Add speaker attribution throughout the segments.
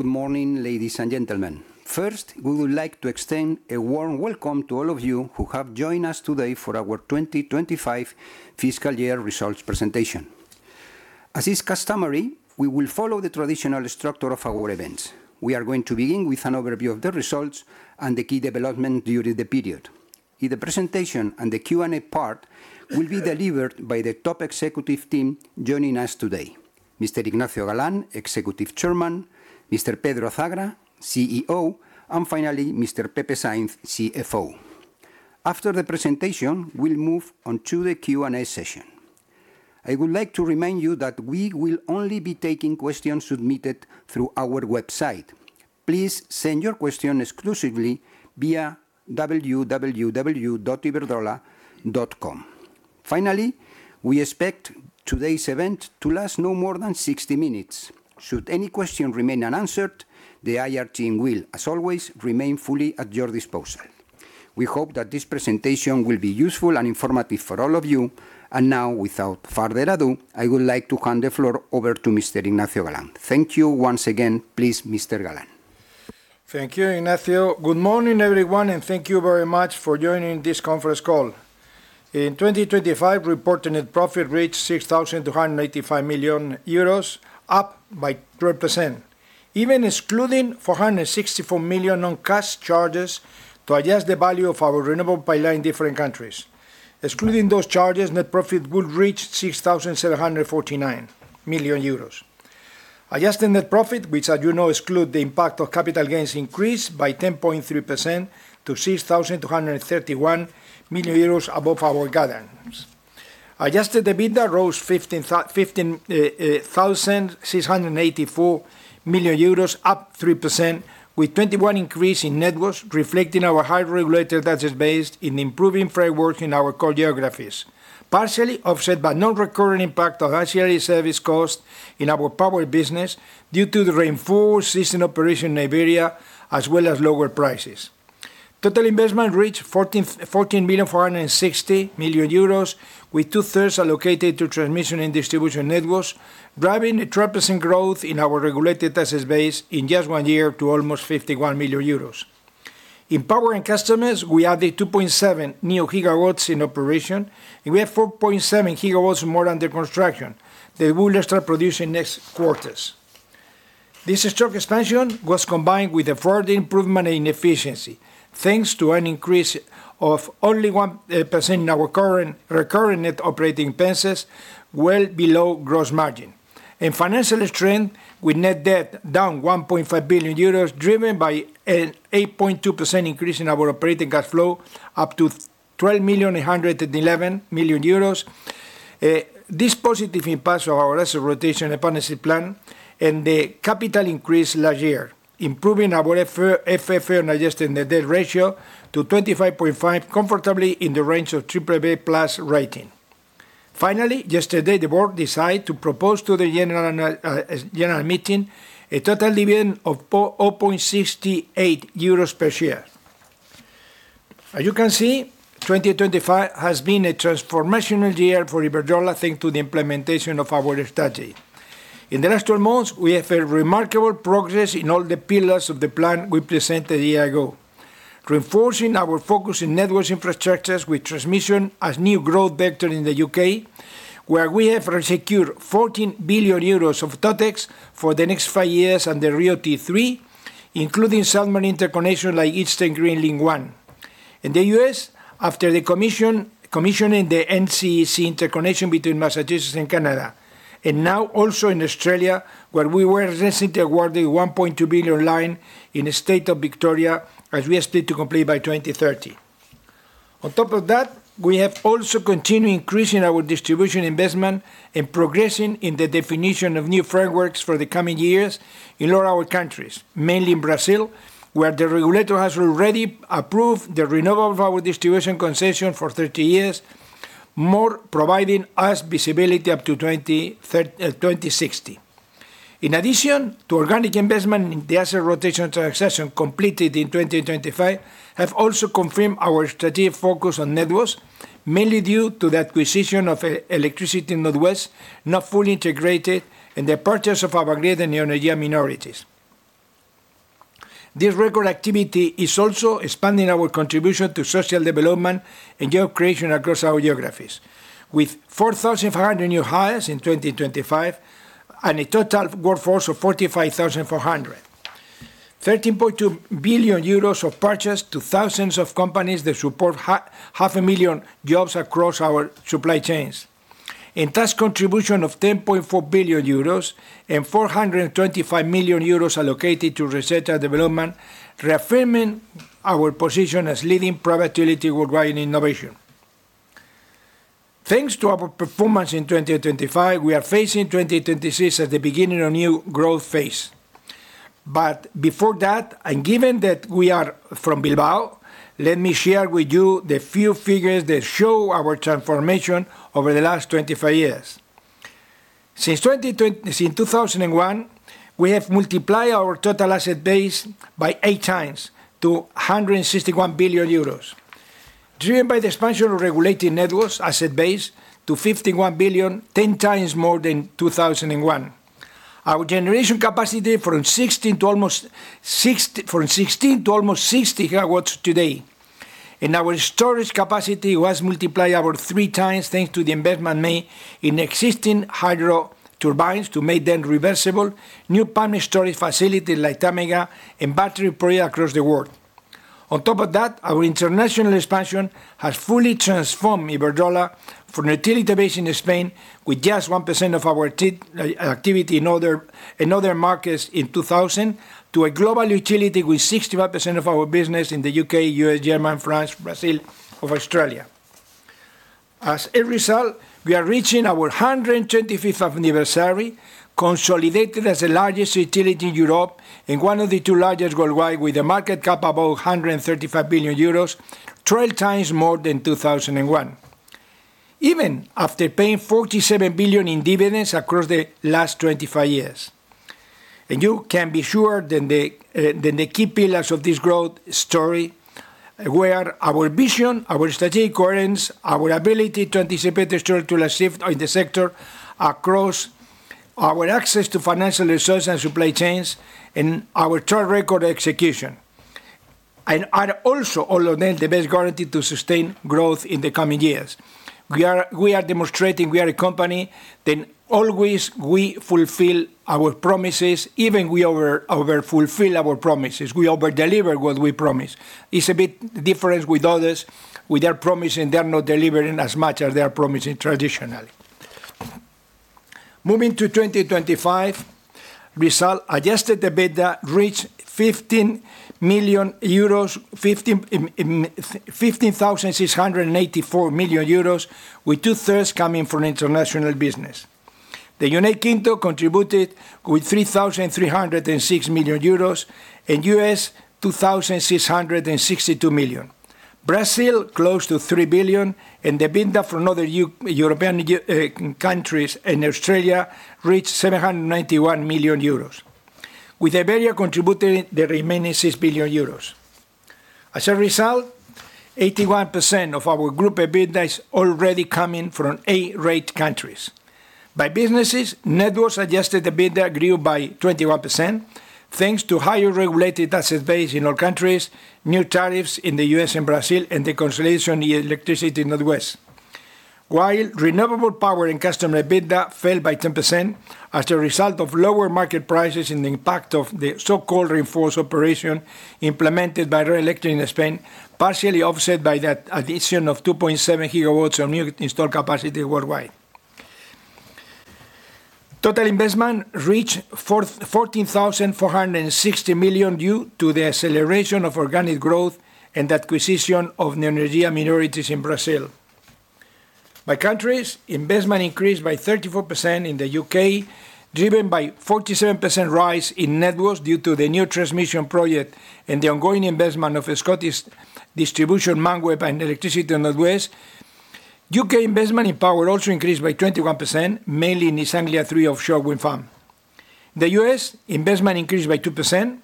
Speaker 1: Good morning, ladies and gentlemen. First, we would like to extend a warm welcome to all of you who have joined us today for our 2025 fiscal year results presentation. As is customary, we will follow the traditional structure of our events. We are going to begin with an overview of the results and the key development during the period. In the presentation, and the Q&A part will be delivered by the top executive team joining us today: Mr. Ignacio Galán, Executive Chairman; Mr. Pedro Azagra, CEO; and finally, Mr. Pepe Sainz, CFO. After the presentation, we'll move on to the Q&A session. I would like to remind you that we will only be taking questions submitted through our website. Please send your question exclusively via www.iberdrola.com. Finally, we expect today's event to last no more than 60 minutes. Should any question remain unanswered, the IR team will, as always, remain fully at your disposal. We hope that this presentation will be useful and informative for all of you. Now, without further ado, I would like to hand the floor over to Mr. Ignacio Galán. Thank you once again. Please, Mr. Galán.
Speaker 2: Thank you, Ignacio. Good morning, everyone. Thank you very much for joining this conference call. In 2025, reported net profit reached 6,285 million euros, up by 12%, even excluding 464 million non-cash charges to adjust the value of our renewable pipeline in different countries. Excluding those charges, net profit would reach 6,749 million euros. Adjusted net profit, which, as you know, exclude the impact of capital gains, increased by 10.3% to 6,231 million euros above our guidance. Adjusted EBITDA rose 15,684 million euros, up 3%, with 21% increase in networks, reflecting our high regulated assets base in improving frameworks in our core geographies, partially offset by non-recurring impact of auxiliary service costs in our power business due to the reinforced system operation in Iberia, as well as lower prices. Total investment reached 14,460 million, with two-thirds allocated to transmission and distribution networks, driving a 12% growth in our regulated assets base in just one year to almost 51 million euros. In Power and Customers, we added 2.7 new GW in operation, and we have 4.7 GW more under construction. They will start producing next quarters. This strong expansion was combined with a further improvement in efficiency, thanks to an increase of only 1% in our current recurring net operating expenses, well below gross margin. Financial strength, with net debt down 1.5 billion euros, driven by an 8.2% increase in our operating cash flow, up to 12,811 million. This positive impact of our asset rotation and financing plan and the capital increase last year, improving our FFO adjusted net debt ratio to 25.5, comfortably in the range of BBB+ rating. Yesterday, the board decided to propose to the general meeting, a total dividend of 0.68 euros per share. As you can see, 2025 has been a transformational year for Iberdrola, thanks to the implementation of our strategy. In the last 12 months, we have a remarkable progress in all the pillars of the plan we presented a year ago, reinforcing our focus in networks infrastructures with transmission as new growth vector in the U.K., where we have secured 14 billion euros of TotEx for the next five years under RIIO-T2, including settlement interconnection like Eastern Green Link 1. In the U.S., after commissioning the New England Clean Energy Connect interconnection between Massachusetts and Canada, and now also in Australia, where we were recently awarded a 1.2 billion line in the state of Victoria, as we are still to complete by 2030. On top of that, we have also continued increasing our distribution investment and progressing in the definition of new frameworks for the coming years in all our countries, mainly in Brazil, where the regulator has already approved the renewable of our distribution concession for 30 years, providing us visibility up to 2060. In addition to organic investment, the asset rotation transaction completed in 2025 have also confirmed our strategic focus on networks, mainly due to the acquisition of Electricity North West, now fully integrated in the purchase of Avangrid and Neoenergia minorities. This record activity is also expanding our contribution to social development and job creation across our geographies, with 4,500 new hires in 2025 and a total workforce of 45,400. 13.2 billion euros of purchase to thousands of companies that support half a million jobs across our supply chains. Tax contribution of 10.4 billion euros and 425 million euros allocated to research and development, reaffirming our position as leading profitability, worldwide innovation. Thanks to our performance in 2025, we are facing 2026 at the beginning of new growth phase. Before that, and given that we are from Bilbao, let me share with you the few figures that show our transformation over the last 25 years. Since 2001, we have multiplied our total asset base by 8x, to 161 billion euros. driven by the expansion of regulated networks asset base to 51 billion, 10x more than 2001. Our generation capacity from 16 to almost 60 GW today. Our storage capacity was multiplied about 3x, thanks to the investment made in existing hydro turbines to make them reversible, new pumped storage facility like Tâmega, and battery project across the world. On top of that, our international expansion has fully transformed Iberdrola from a utility base in Spain, with just 1% of our activity in other markets in 2000, to a global utility, with 61% of our business in the U.K., U.S., Germany, France, Brazil, or Australia. As a result, we are reaching our 125th anniversary, consolidated as the largest utility in Europe and one of the two largest worldwide, with a market cap above 135 billion euros, 12x more than 2001, even after paying 47 billion in dividends across the last 25 years. You can be sure that the key pillars of this growth story were our vision, our strategic coherence, our ability to anticipate the structural shift in the sector across, our access to financial resources and supply chains, and our track record execution. Are also all of them, the best guarantee to sustain growth in the coming years. We are demonstrating we are a company that always we fulfill our promises, even we over-fulfill our promises. We over-deliver what we promise. It's a bit different with others. With their promising, they are not delivering as much as they are promising traditionally. Moving to 2025, result, adjusted EBITDA reached 15,684 million euros, with two-thirds coming from international business. The United Kingdom contributed with 3,306 million euros, and U.S., 2,662 million. Brazil, close to 3 billion. The EBITDA from other European countries and Australia reached 791 million euros, with Iberia contributing the remaining 6 billion euros. As a result, 81% of our group EBITDA is already coming from A-rate countries. By businesses, Networks adjusted EBITDA grew by 21%, thanks to higher regulated asset base in all countries, new tariffs in the U.S. and Brazil, and the consolidation in electricity in the West. While Renewable Power and Customer EBITDA fell by 10% as a result of lower market prices and the impact of the so-called reinforced operation implemented by the electorate in Spain, partially offset by the addition of 2.7 GW of new installed capacity worldwide. Total investment reached 14,460 million, due to the acceleration of organic growth and acquisition of Neoenergia minorities in Brazil. By countries, investment increased by 34% in the U.K., driven by 47% rise in Networks due to the new transmission project and the ongoing investment of the Scottish distribution network and Electricity North West. U.K. investment in power also increased by 21%, mainly in East Anglia THREE offshore wind farm. The U.S. investment increased by 2%,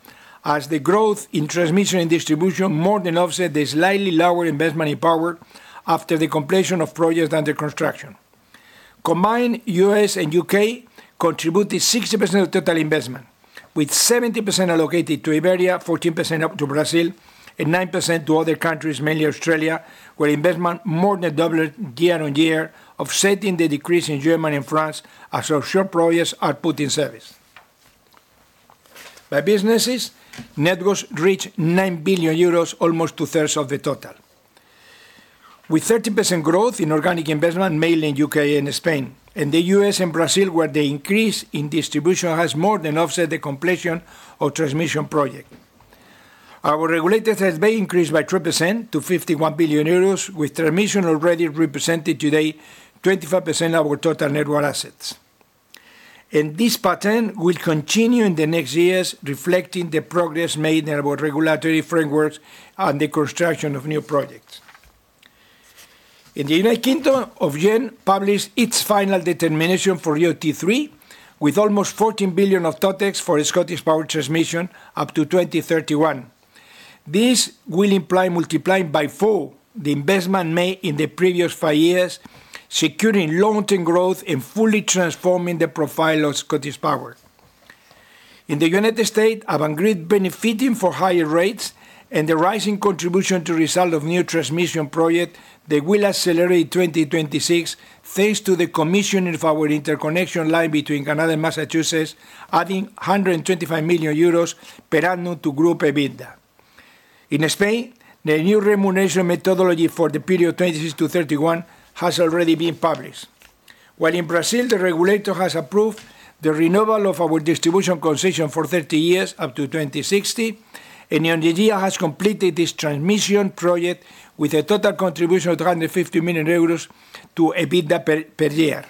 Speaker 2: as the growth in transmission and distribution more than offset the slightly lower investment in power after the completion of projects under construction. U.S. and U.K. contributed 60% of total investment, with 70% allocated to Iberia, 14% up to Brazil, and 9% to other countries, mainly Australia, where investment more than doubled year-over-year, offsetting the decrease in Germany and France as offshore projects are put in service. By businesses, Networks reached 9 billion euros, almost two-thirds of the total, with 30% growth in organic investment, mainly in U.K. and Spain, and the U.S. and Brazil, where the increase in distribution has more than offset the completion of transmission project. Our regulated asset base increased by 3% to 51 billion euros, with transmission already representing today 25% of our total network assets. This pattern will continue in the next years, reflecting the progress made in our regulatory frameworks and the construction of new projects. In the United Kingdom, Ofgem published its final determination for ROT 3, with almost 14 billion of TotEx for Scottish Power Transmission up to 2031. This will imply multiplying by 4 the investment made in the previous 5 years, securing long-term growth and fully transforming the profile of Scottish Power. In the United States, Avangrid benefiting from higher rates and the rising contribution to result of new transmission project, they will accelerate in 2026, thanks to the commissioning of our interconnection line between Canada and Massachusetts, adding 125 million euros per annum to group EBITDA. In Spain, the new remuneration methodology for the period 2026-2031 has already been published. While in Brazil, the regulator has approved the renewal of our distribution concession for 30 years, up to 2060, and Neoenergia has completed this transmission project with a total contribution of 250 million euros to EBITDA per year.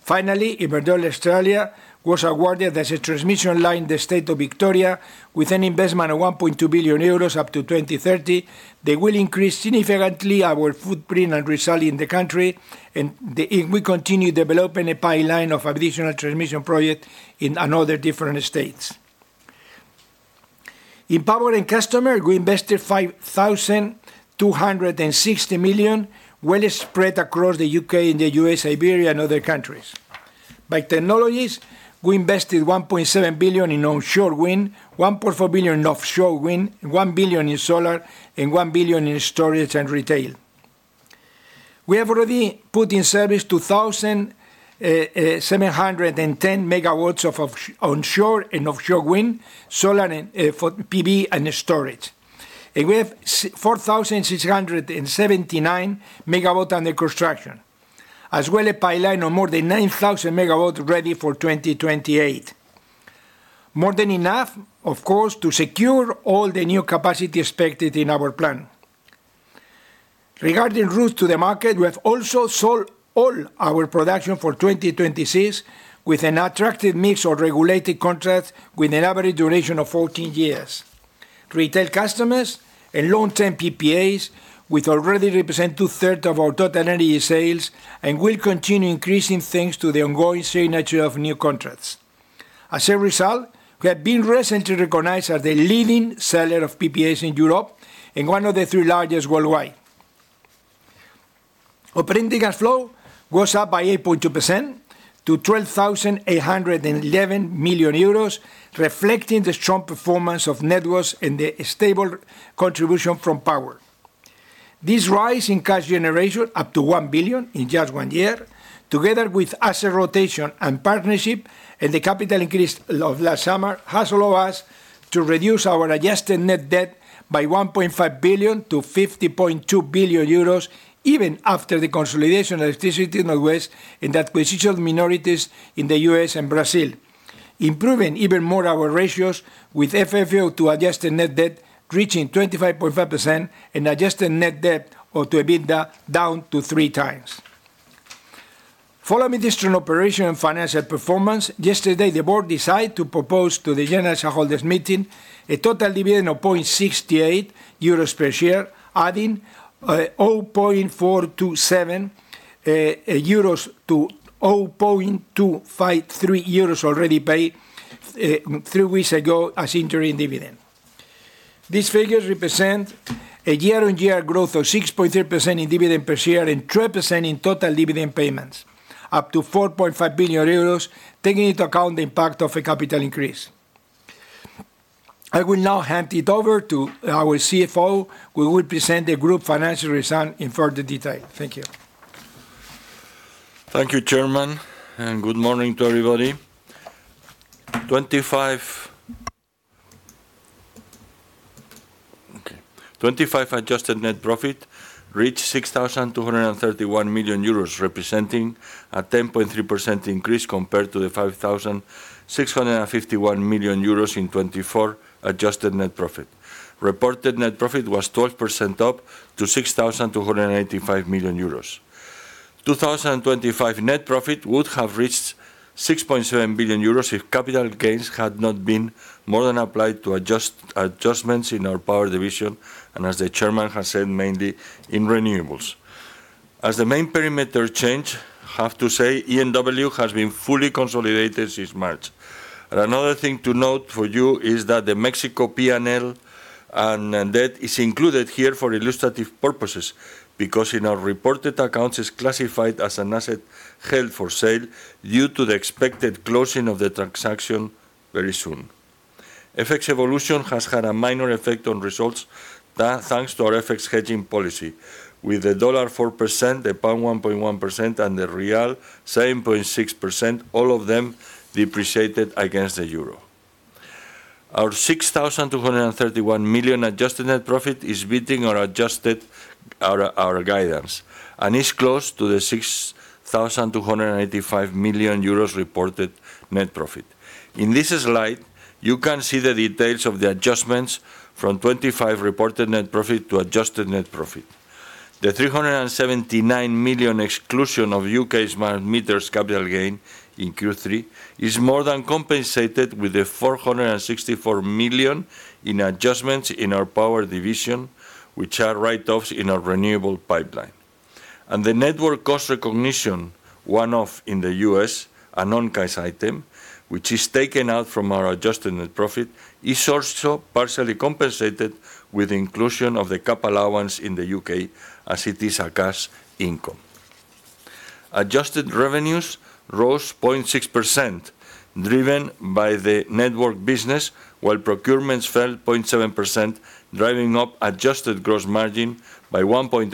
Speaker 2: Finally, Iberdrola Australia was awarded as a transmission line in the state of Victoria, with an investment of 1.2 billion euros up to 2030. They will increase significantly our footprint and result in the country, and we continue developing a pipeline of additional transmission projects in another different states. In power and customer, we invested 5,260 million, well spread across the U.K. and the U.S., Iberia, and other countries. By technologies, we invested 1.7 billion in onshore wind, 1.4 billion in offshore wind, 1 billion in solar, and 1 billion in storage and retail. We have already put in service 2,710 MW of onshore and offshore wind, solar, and PV and storage. We have 4,679 MW under construction, as well a pipeline of more than 9,000 MW ready for 2028. More than enough, of course, to secure all the new capacity expected in our plan. Regarding route to the market, we have also sold all our production for 2026, with an attractive mix of regulated contracts with an average duration of 14 years. Retail customers and long-term PPAs, which already represent 2/3 of our total energy sales, and will continue increasing thanks to the ongoing signature of new contracts. As a result, we have been recently recognized as the leading seller of PPAs in Europe and one of the 3 largest worldwide. Operating cash flow was up by 8.2% to 12,811 million euros, reflecting the strong performance of networks and the stable contribution from power. This rise in cash generation, up to 1 billion in just 1 year, together with asset rotation and partnership, and the capital increase of last summer, has allowed us to reduce our adjusted net debt by 1.5 billion to 50.2 billion euros, even after the consolidation of Electricity North West and the acquisition of minorities in the U.S. and Brazil, improving even more our ratios, with FFO to adjusted net debt reaching 25.5% and adjusted net debt or to EBITDA down to 3x. Following this strong operation and financial performance, yesterday, the board decided to propose to the general shareholders' meeting a total dividend of 0.68 euros per share, adding 0.427 euros to 0.253 euros already paid 3 weeks ago as interim dividend. These figures represent a year-on-year growth of 6.3% in dividend per share and 12% in total dividend payments, up to 4.5 billion euros, taking into account the impact of a capital increase. I will now hand it over to our CFO, who will present the group financial result in further detail. Thank you.
Speaker 3: Thank you, Chairman, good morning to everybody. 2025 adjusted net profit reached 6,231 million euros, representing a 10.3% increase compared to the 5,651 million euros in 2024 adjusted net profit. Reported net profit was 12% up to 6,285 million euros. 2025 net profit would have reached 6.7 billion euros if capital gains had not been more than applied to adjustments in our power division, and as the Chairman has said, mainly in renewables. As the main perimeter change, I have to say ENW has been fully consolidated since March. Another thing to note for you is that the Mexico P&L and debt is included here for illustrative purposes, because in our reported accounts, it's classified as an asset held for sale due to the expected closing of the transaction very soon. FX evolution has had a minor effect on results, thanks to our FX hedging policy, with the dollar 4%, the pound 1.1%, and the real 7.6%, all of them depreciated against the euro. Our 6,231 million adjusted net profit is beating our adjusted, our guidance, and is close to the 6,285 million euros reported net profit. In this slide, you can see the details of the adjustments from 25 reported net profit to adjusted net profit. The 379 million exclusion of U.K. smart meters capital gain in Q3 is more than compensated with the 464 million in adjustments in our power division, which are write-offs in our renewable pipeline. The network cost recognition, one-off in the U.S., a non-cash item, which is taken out from our adjusted net profit, is also partially compensated with the inclusion of the cap allowance in the U.K., as it is a cash income. Adjusted revenues rose 0.6%, driven by the network business, while procurements fell 0.7%, driving up adjusted gross margin by 1.8%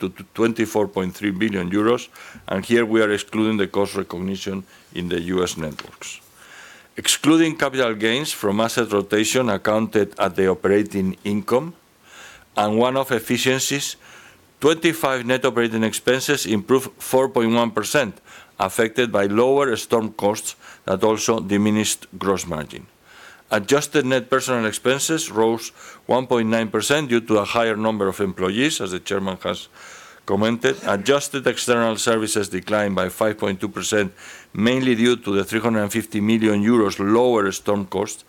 Speaker 3: to 24.3 billion euros, and here we are excluding the cost recognition in the U.S. networks. Excluding capital gains from asset rotation accounted at the operating income and one-off efficiencies, 25 net operating expenses improved 4.1%, affected by lower storm costs that also diminished gross margin. Adjusted net personal expenses rose 1.9% due to a higher number of employees, as the chairman has commented, adjusted external services declined by 5.2%, mainly due to the 350 million euros lower storm cost,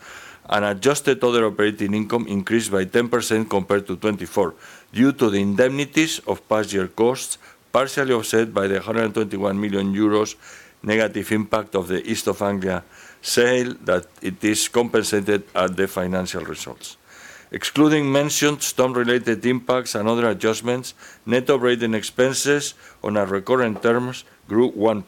Speaker 3: and adjusted other operating income increased by 10% compared to 2024, due to the indemnities of past year costs, partially offset by the 121 million euros negative impact of the East of England sale, that it is compensated at the financial results. Excluding mentioned storm-related impacts and other adjustments, net operating expenses on our recurring terms grew 1%.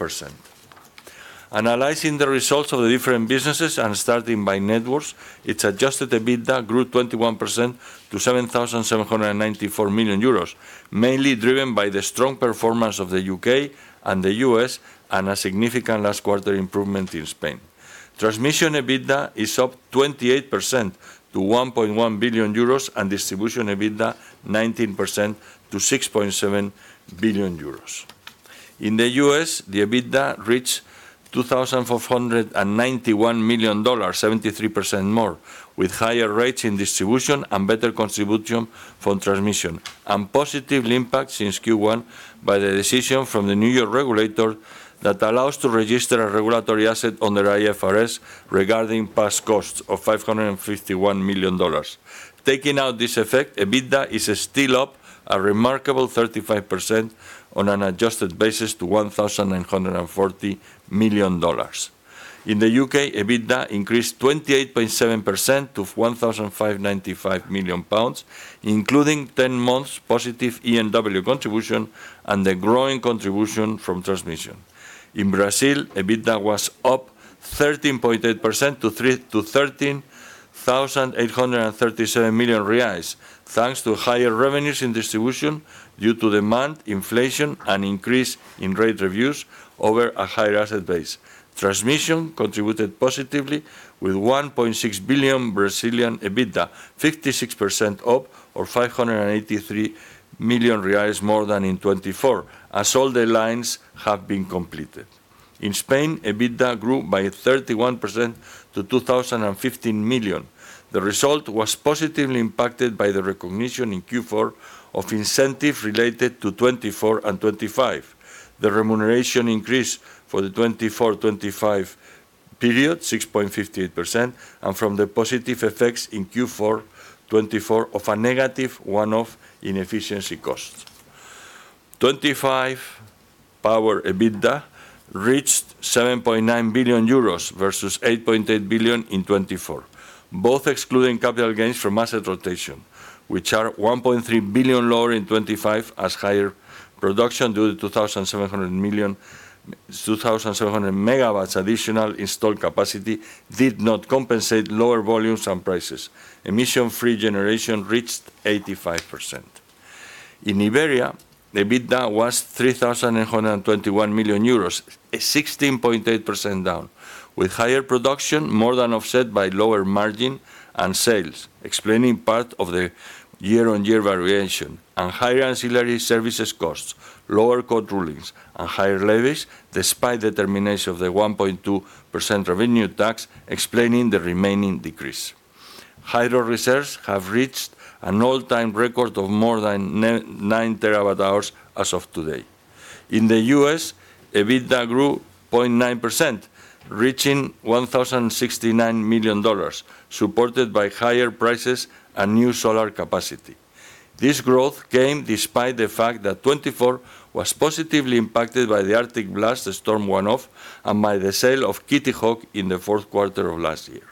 Speaker 3: Analyzing the results of the different businesses, starting by networks, its adjusted EBITDA grew 21% to 7,794 million euros, mainly driven by the strong performance of the U.K. and the U.S., and a significant last quarter improvement in Spain. Transmission EBITDA is up 28% to 1.1 billion euros, and distribution EBITDA, 19% to 6.7 billion euros. In the U.S., the EBITDA reached $2,491 million, 73% more, with higher rates in distribution and better contribution from transmission, and positive impact since Q1 by the decision from the New York regulator that allows to register a regulatory asset on the IFRS regarding past costs of $551 million. Taking out this effect, EBITDA is still up a remarkable 35% on an adjusted basis to $1,940 million. In the U.K., EBITDA increased 28.7% to 1,595 million pounds, including 10 months positive EMW contribution and a growing contribution from transmission. In Brazil, EBITDA was up 13.8% to 13,837 million reais, thanks to higher revenues in distribution due to demand, inflation, and increase in rate reviews over a higher asset base. Transmission contributed positively with 1.6 billion Brazilian EBITDA, 56% up, or 583 million reais more than in 2024, as all the lines have been completed. In Spain, EBITDA grew by 31% to 2,015 million. The result was positively impacted by the recognition in Q4 of incentive related to 2024 and 2025. The remuneration increase for the 2024, 2025 period, 6.58%, and from the positive effects in Q4 2024 of a negative one-off inefficiency cost. 2025 power EBITDA reached 7.9 billion euros versus 8.8 billion in 2024, both excluding capital gains from asset rotation, which are 1.3 billion lower in 2025, as higher production due to 2,700 MW additional installed capacity did not compensate lower volumes and prices. Emission free generation reached 85%. In Iberia, the EBITDA was 3,121 million euros, a 16.8% down, with higher production more than offset by lower margin and sales, explaining part of the year-on-year variation, and higher ancillary services costs, lower court rulings, and higher levies, despite the termination of the 1.2% revenue tax, explaining the remaining decrease. Hydro reserves have reached an all-time record of more than 9 TWh as of today. In the US, EBITDA grew 0.9%, reaching $1,069 million, supported by higher prices and new solar capacity. This growth came despite the fact that 2024 was positively impacted by the Arctic blast, the storm one-off, and by the sale of Kitty Hawk in the fourth quarter of last year.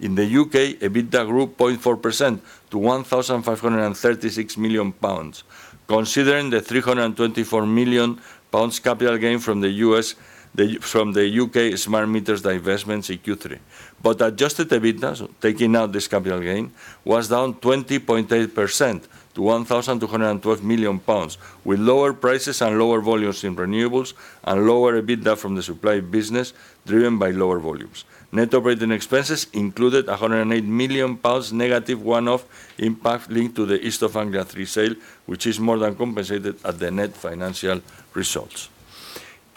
Speaker 3: In the U.K., EBITDA grew 0.4% to 1,536 million pounds, considering the 324 million pounds capital gain from the U.S., from the U.K. smart meters divestments in Q3. Adjusted EBITDA, so taking out this capital gain, was down 20.8% to 1,212 million pounds, with lower prices and lower volumes in renewables and lower EBITDA from the supply business, driven by lower volumes. Net operating expenses included 108 million pounds negative one-off impact linked to the East Anglia THREE sale, which is more than compensated at the net financial results.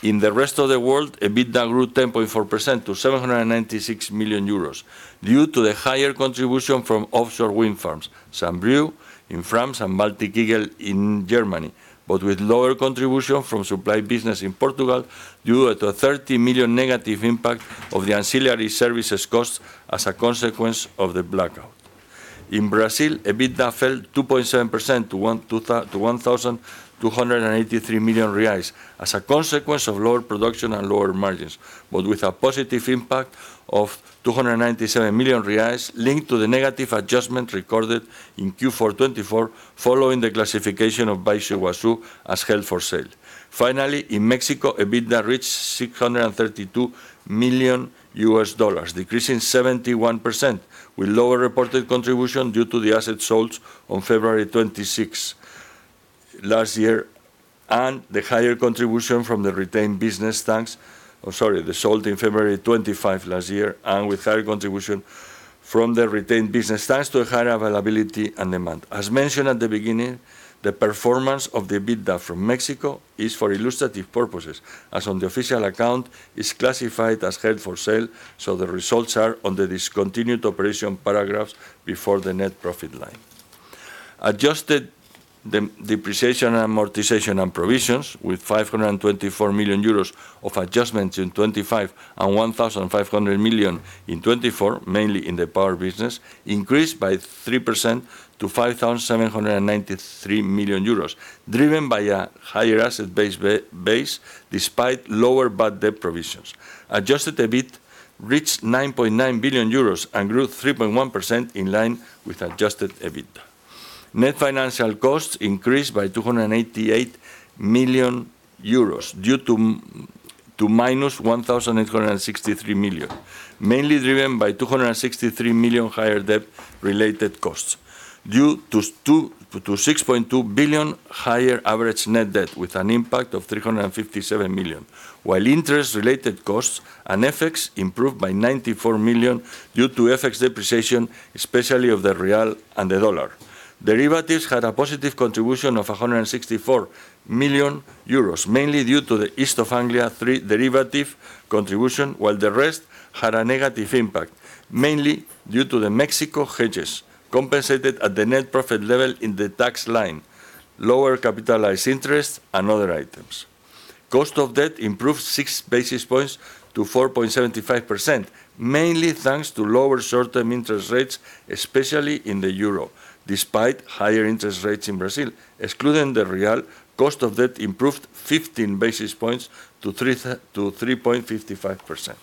Speaker 3: In the rest of the world, EBITDA grew 10.4% to 796 million euros, due to the higher contribution from offshore wind farms, Saint-Brieuc in France and Wikinger in Germany, but with lower contribution from supply business in Portugal, due to a 30 million negative impact of the ancillary services cost as a consequence of the blackout. In Brazil, EBITDA fell 2.7% to 1,283 million reais, as a consequence of lower production and lower margins, but with a positive impact of 297 million reais, linked to the negative adjustment recorded in Q4 2024, following the classification of Baixo Iguaçu as held for sale. Finally, in Mexico, EBITDA reached $632 million, decreasing 71%, with lower reported contribution due to the assets sold on February 25 last year, and with higher contribution from the retained business, thanks to a higher availability and demand. As mentioned at the beginning, the performance of the EBITDA from Mexico is for illustrative purposes, as on the official account, it's classified as held for sale, so the results are under discontinued operation paragraphs before the net profit line. adjusted the depreciation and amortization and provisions with 524 million euros of adjustments in 2025, and 1,500 million in 2024, mainly in the power business, increased by 3% to 5,793 million euros, driven by a higher asset base, despite lower bad debt provisions. Adjusted EBIT reached 9.9 billion euros and grew 3.1% in line with adjusted EBIT. Net financial costs increased by 288 million euros due to -1,863 million, mainly driven by 263 million higher debt-related costs, due to 6.2 billion higher average net debt, with an impact of 357 million. While interest-related costs and FX improved by 94 million due to FX depreciation, especially of the real and the dollar. Derivatives had a positive contribution of 164 million euros, mainly due to the East Anglia THREE derivative contribution, while the rest had a negative impact, mainly due to the Mexico hedges, compensated at the net profit level in the tax line, lower capitalized interest and other items. Cost of debt improved 6 basis points to 4.75%, mainly thanks to lower short-term interest rates, especially in the euro, despite higher interest rates in Brazil. Excluding the real, cost of debt improved 15 basis points to 3.55%.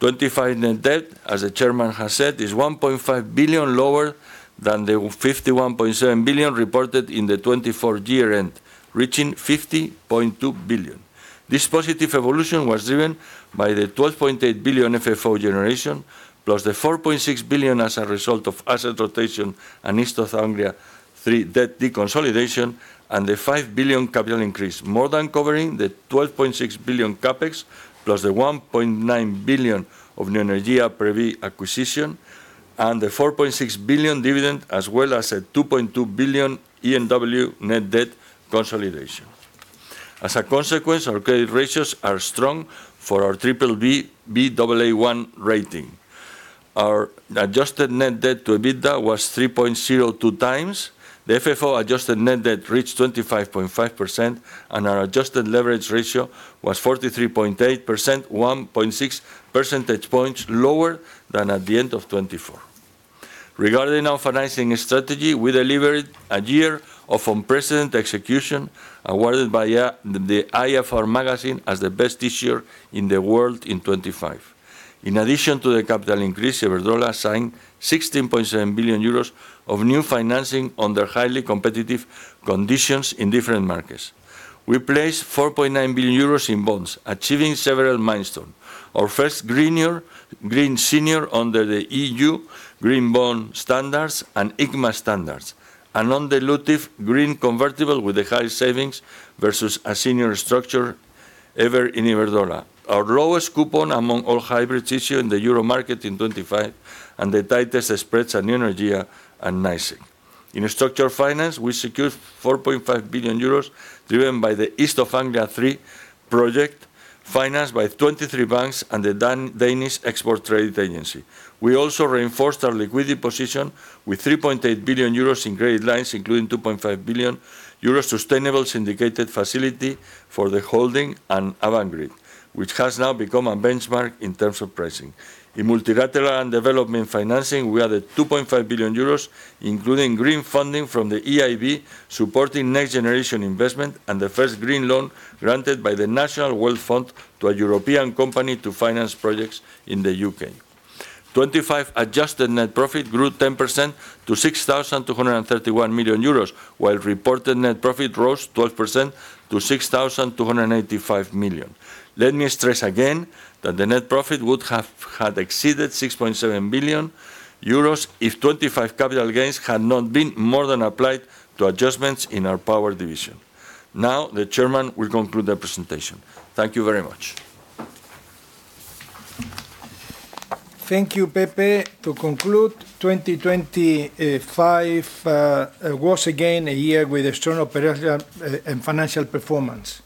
Speaker 3: 2025 net debt, as the chairman has said, is 1.5 billion lower than the 51.7 billion reported in the 2024 year end, reaching 50.2 billion. This positive evolution was driven by the 12.8 billion FFO generation, plus the 4.6 billion as a result of asset rotation and East Anglia THREE debt deconsolidation, and the 5 billion capital increase, more than covering the 12.6 billion CapEx, plus the 1.9 billion of Neoenergia Previ acquisition, and the 4.6 billion dividend, as well as a 2.2 billion E&W net debt consolidation. As a consequence, our credit ratios are strong for our BBB, Baa1 rating. Our adjusted net debt to EBITDA was 3.02x. The FFO adjusted net debt reached 25.5%, and our adjusted leverage ratio was 43.8%, 1.6 percentage points lower than at the end of 2024. Regarding our financing strategy, we delivered a year of unprecedented execution, awarded by the IFR magazine as the best issue in the world in 25. In addition to the capital increase, Iberdrola signed 16.7 billion euros of new financing under highly competitive conditions in different markets. We placed 4.9 billion euros in bonds, achieving several milestone. Our first greener, green senior under the EU Green Bond Standards and ICMA standards, and undilutive green convertible with the highest savings versus a senior structure ever in Iberdrola. Our lowest coupon among all hybrids issued in the euro market in 25, and the tightest spreads on Neoenergia and NYSEG. In structured finance, we secured 4.5 billion euros, driven by the East of Anglia THREE project, financed by 23 banks and the Danish Export Trade Agency. We also reinforced our liquidity position with 3.8 billion euros in credit lines, including 2.5 billion euros sustainable syndicated facility for the holding and Avangrid, which has now become a benchmark in terms of pricing. In multilateral and development financing, we added 2.5 billion euros, including green funding from the EIB, supporting next-generation investment and the first green loan granted by the National World Fund to a European company to finance projects in the U.K. 25 adjusted net profit grew 10% to 6,231 million euros, while reported net profit rose 12% to 6,285 million. Let me stress again that the net profit had exceeded 6.7 billion euros if 25 capital gains had not been more than applied to adjustments in our power division. The chairman will conclude the presentation. Thank you very much.
Speaker 2: Thank you, Pepe. To conclude, 2025 was again a year with external progression and financial performance.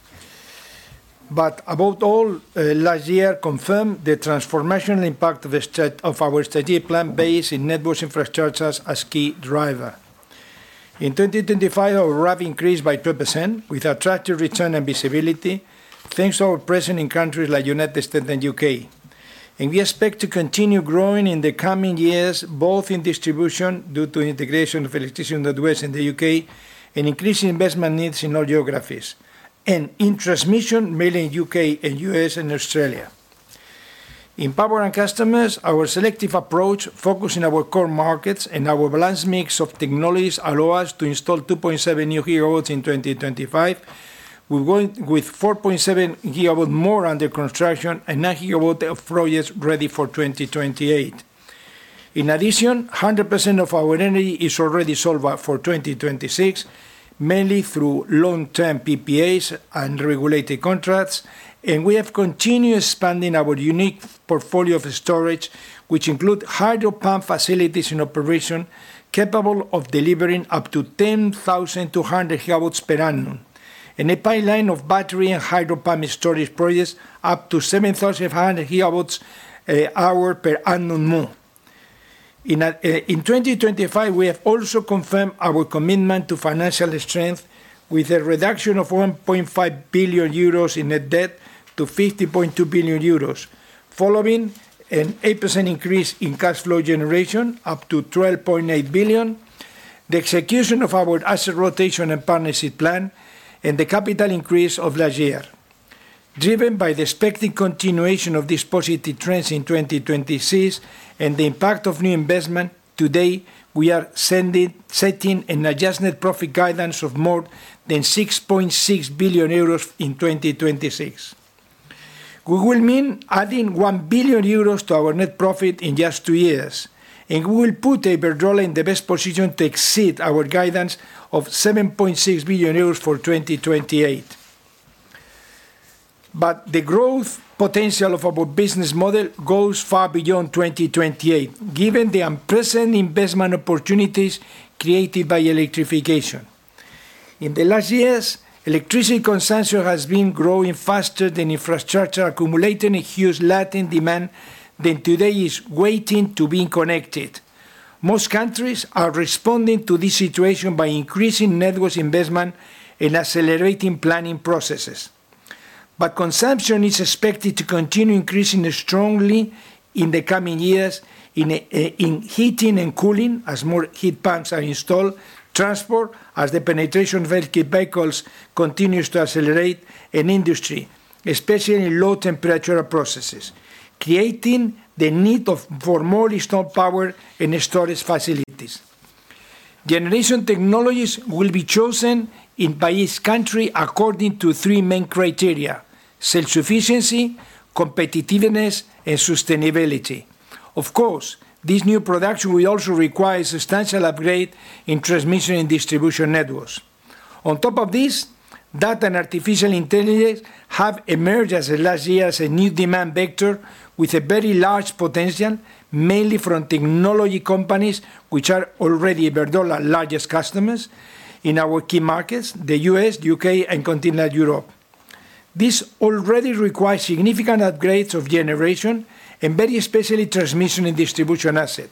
Speaker 2: Above all, last year confirmed the transformational impact of our strategy plan based in networks infrastructures as key driver. In 2025, our RAV increased by 12%, with attractive return and visibility, thanks to our presence in countries like United States and U.K. We expect to continue growing in the coming years, both in distribution, due to integration of Electricity North West in the U.K., and increasing investment needs in all geographies, and in transmission, mainly in U.K. and U.S. and Australia. In power and customers, our selective approach, focusing our core markets and our balanced mix of technologies, allow us to install 2.7 new gigawatts in 2025. We're going with 4.7 GW more under construction and 9 GW of projects ready for 2028. In addition, 100% of our energy is already sold out for 2026, mainly through long-term PPAs and regulated contracts. We have continued expanding our unique portfolio of storage, which include hydro pump facilities and operation, capable of delivering up to 10,200 GW per annum, and a pipeline of battery and hydro pump storage projects up to 7,500 GW hour per annum more. In 2025, we have also confirmed our commitment to financial strength with a reduction of 1.5 billion euros in net debt to 50.2 billion euros, following an 8% increase in cash flow generation up to 12.8 billion, the execution of our asset rotation and partnership plan, and the capital increase of last year. Driven by the expected continuation of these positive trends in 2026 and the impact of new investment, today, we are setting an adjusted net profit guidance of more than 6.6 billion euros in 2026. We will mean adding 1 billion euros to our net profit in just two years, and we will put Iberdrola in the best position to exceed our guidance of 7.6 billion euros for 2028. The growth potential of our business model goes far beyond 2028, given the unprecedented investment opportunities created by electrification. In the last years, electricity consumption has been growing faster than infrastructure, accumulating a huge latent demand that today is waiting to being connected. Most countries are responding to this situation by increasing networks investment and accelerating planning processes. Consumption is expected to continue increasing strongly in the coming years in heating and cooling, as more heat pumps are installed; transport, as the penetration of electric vehicles continues to accelerate; and industry, especially in low-temperature processes, creating the need of, for more installed power and storage facilities. Generation technologies will be chosen in, by each country according to three main criteria: self-sufficiency, competitiveness, and sustainability. Of course, this new production will also require a substantial upgrade in transmission and distribution networks. On top of this, data and artificial intelligence have emerged as of last year as a new demand vector with a very large potential, mainly from technology companies, which are already Iberdrola largest customers in our key markets, the U.S., U.K., and continental Europe. This already requires significant upgrades of generation and very especially transmission and distribution asset.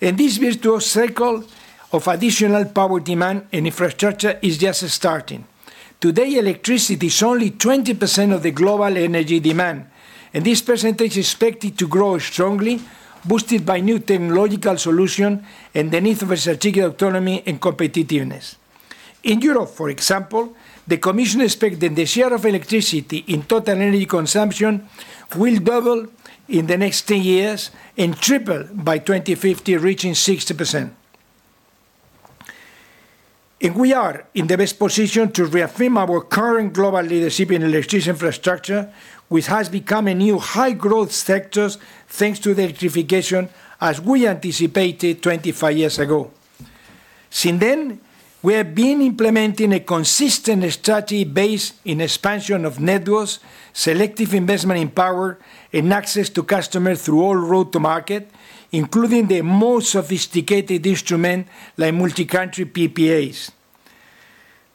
Speaker 2: This virtuous cycle of additional power demand and infrastructure is just starting. Today, electricity is only 20% of the global energy demand, and this percentage is expected to grow strongly, boosted by new technological solution and the need for strategic autonomy and competitiveness. In Europe, for example, the European Commission expect that the share of electricity in total energy consumption will double in the next 10 years and triple by 2050, reaching 60%. We are in the best position to reaffirm our current global leadership in electricity infrastructure, which has become a new high-growth sectors, thanks to the electrification, as we anticipated 25 years ago. Since then, we have been implementing a consistent strategy based in expansion of networks, selective investment in power, and access to customers through all route to market, including the most sophisticated instrument, like multi-country PPAs.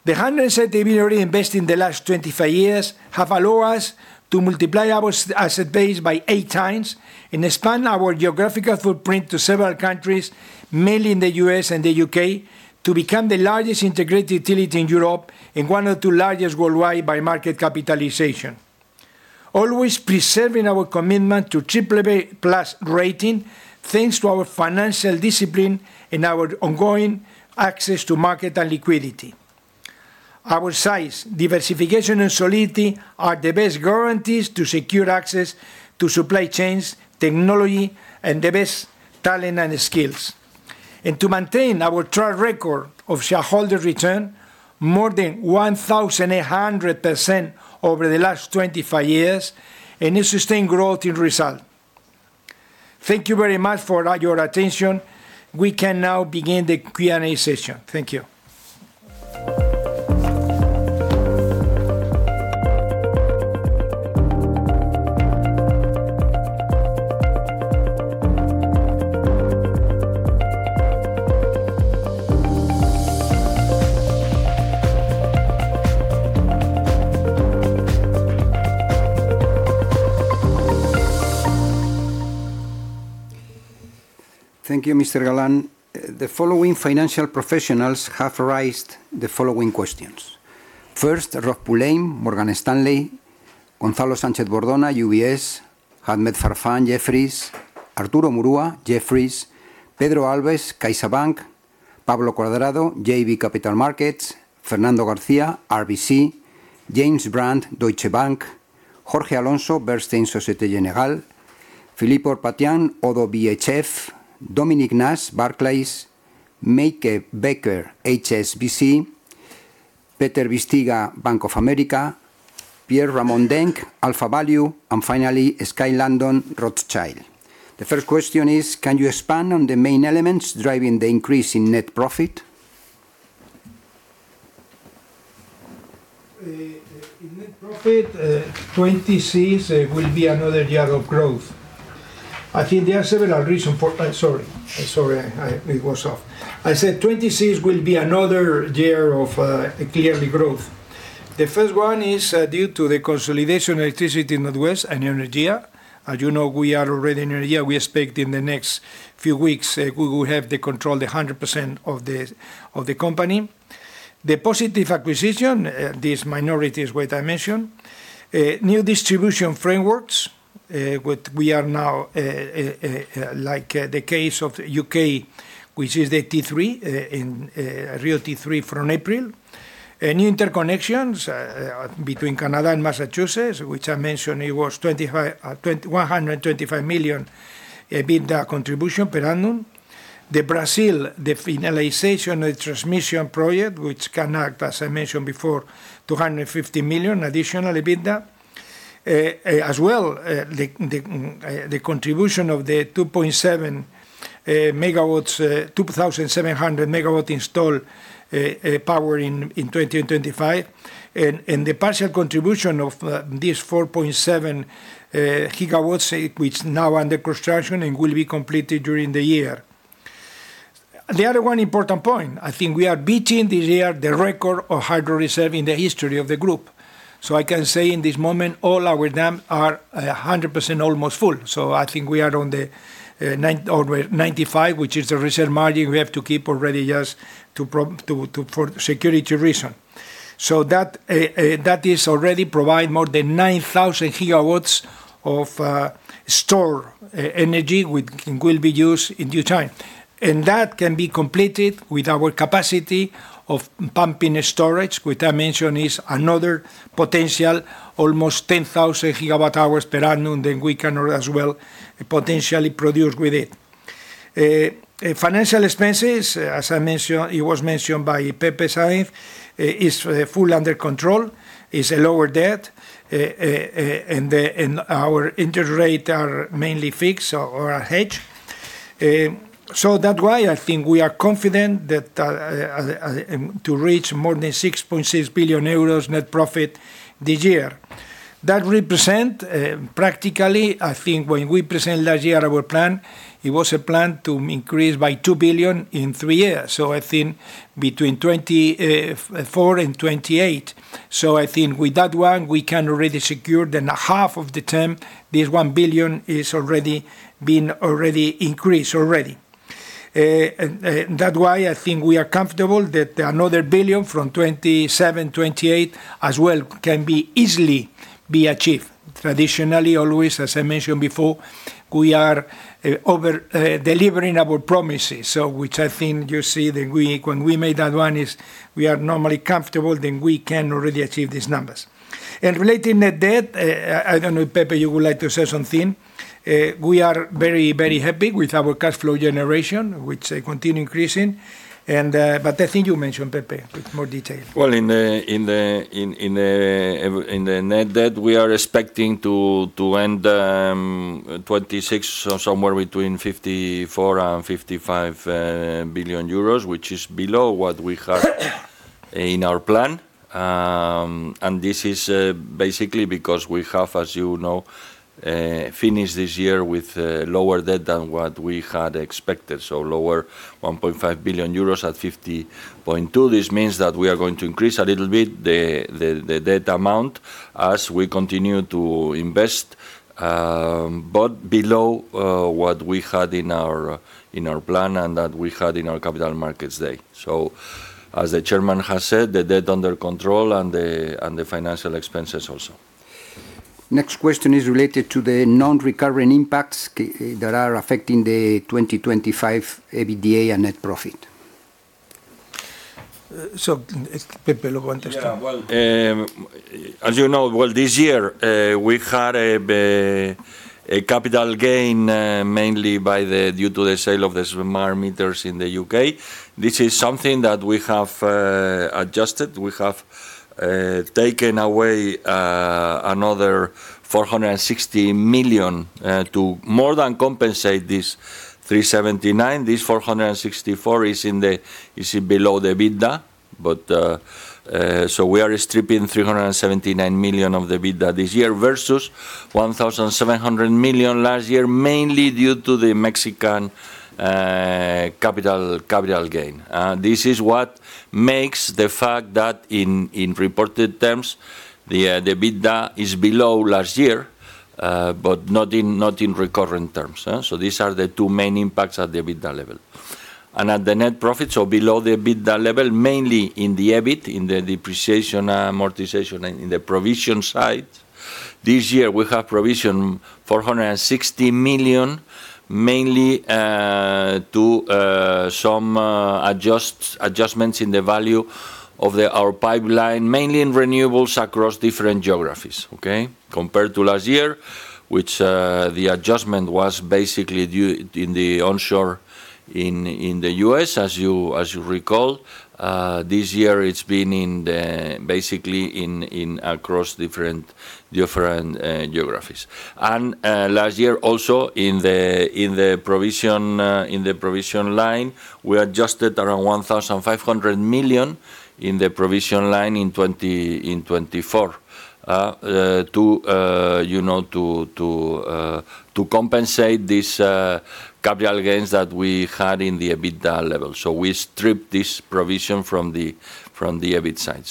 Speaker 2: The 100% we already invest in the last 25 years have allowed us to multiply our asset base by 8x and expand our geographical footprint to several countries, mainly in the U.S. and the U.K., to become the largest integrated utility in Europe and one of the two largest worldwide by market capitalization, always preserving our commitment to triple A+ rating, thanks to our financial discipline and our ongoing access to market and liquidity. Our size, diversification, and solidity are the best guarantees to secure access to supply chains, technology, and the best talent and skills, and to maintain our track record of shareholder return, more than 1,800% over the last 25 years, and a sustained growth in result. Thank you very much for your attention. We can now begin the Q&A session. Thank you.
Speaker 1: Thank you, Mr. Galán. The following financial professionals have raised the following questions: First, Robert Pulleyn, Morgan Stanley, Gonzalo Sanchez-Bordona, UBS, Ahmed Farman, Jefferies, Arturo Murua, Jefferies, Pedro Alves, CaixaBank, Pablo Cuadrado, JB Capital Markets, Fernando Garcia, RBC, James Brand, Deutsche Bank, Jorge Alonso, Bernstein Societe Generale, Philippe Ourpatian, ODDO BHF, Dominic Nash, Barclays, Meike Becker, HSBC, Peter Bisztyga, Bank of America, Pierre-Alexandre Ramondenc, AlphaValue, finally, Skye Landon, Rothschild. The first question is: Can you expand on the main elements driving the increase in net profit?
Speaker 2: In net profit, 26 will be another year of growth. I think there are several reason for... 26 will be another year of clearly growth. The first one is due to the consolidation of Electricity North West and Neoenergia. As you know, we are already in Neoenergia. We expect in the next few weeks, we will have the control the 100% of the company. The positive acquisition, these minorities, which I mentioned. New distribution frameworks, what we are now, the case of U.K., which is the T3, in real T3 from April. New interconnections between Canada and Massachusetts, which I mentioned it was 125 million EBITDA contribution per annum. The Brazil, the finalization of transmission project, which can act, as I mentioned before, 250 million additional EBITDA. As well, the contribution of the 2.7 MWh, 2,700 MWh install power in 20 and 25, and the partial contribution of this 4.7 GW, which is now under construction and will be completed during the year. The other one important point, I think we are beating this year the record of hydro reserve in the history of the group. I can say in this moment, all our dams are 100% almost full. I think we are on the 90% or 95%, which is the reserve margin we have to keep already just to for security reason. That, that is already provide more than 9,000 GW of stored energy, which will be used in due time. That can be completed with our capacity of pumping storage, which I mentioned is another potential, almost 10,000 GW hours per annum, then we can as well potentially produce with it. Financial expenses, as I mentioned, it was mentioned by Pepe Sainz, is full under control, is a lower debt, and our interest rate are mainly fixed or are hedged. That why I think we are confident that to reach more than 6.6 billion euros net profit this year. That represent, practically, I think when we present last year our plan, it was a plan to increase by 2 billion in 3 years, I think between 2024 and 2028. I think with that one, we can already secure the half of the term, this 1 billion is already been increased already. That why I think we are comfortable that another 1 billion from 2027, 2028 as well, can be easily be achieved. Traditionally, always, as I mentioned before, we are over delivering our promises. Which I think you see that we, when we made that one, is we are normally comfortable, then we can already achieve these numbers. Relating net debt, I don't know, Pepe, you would like to say something? We are very, very happy with our cash flow generation, which continue increasing, and I think you mention, Pepe, with more detail.
Speaker 3: Well, in the net debt, we are expecting to end 2026, somewhere between 54 billion and 55 billion euros, which is below what we have in our plan. This is basically because we have, as you know, finished this year with lower debt than what we had expected. Lower 1.5 billion euros at 50.2 billion. This means that we are going to increase a little bit the debt amount as we continue to invest, but below what we had in our plan and that we had in our capital markets day. As the Chairman has said, the debt under control and the financial expenses also.
Speaker 1: Next question is related to the non-recurring impacts that are affecting the 2025 EBITDA and net profit.
Speaker 2: Pepe, you want to start?
Speaker 3: Well, as you know, well, this year, we had a capital gain, mainly due to the sale of the smart meters in the U.K. This is something that we have adjusted. We have taken away another 460 million to more than compensate this 379. This 464 is in the, is below the EBITDA. We are stripping 379 million of the EBITDA this year versus 1,700 million last year, mainly due to the Mexican capital gain. This is what makes the fact that in reported terms, the EBITDA is below last year, but not in recurring terms, huh? These are the two main impacts at the EBITDA level. At the net profit, so below the EBITDA level, mainly in the EBIT, in the depreciation, amortization, and in the provision side. This year, we have provision 460 million, mainly to some adjustments in the value of our pipeline, mainly in renewables across different geographies. Compared to last year, which the adjustment was basically due in the onshore in the US, as you recall. This year it's been basically across different geographies. Last year also, in the provision line, we adjusted around 1,500 million in the provision line in 2024. To, you know, to compensate these capital gains that we had in the EBITDA level. We stripped this provision from the EBIT side.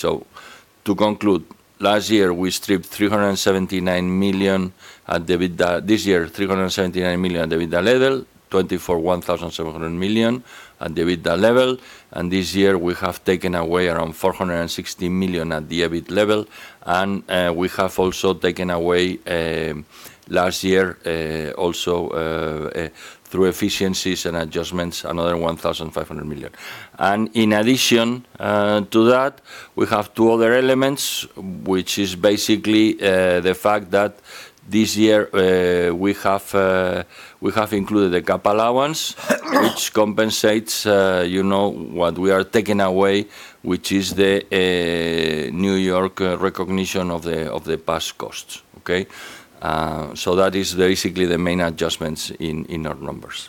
Speaker 3: To conclude, last year, we stripped 379 million at the EBITDA. This year, 379 million at EBITDA level, 1,700 million at EBITDA level, and this year, we have taken away around 460 million at the EBIT level.
Speaker 4: We have also taken away last year, also, through efficiencies and adjustments, another 1,500 million. In addition to that, we have 2 other elements, which is basically the fact that this year, we have included a cap allowance, which compensates, you know, what we are taking away, which is the New York recognition of the past costs. That is basically the main adjustments in our numbers.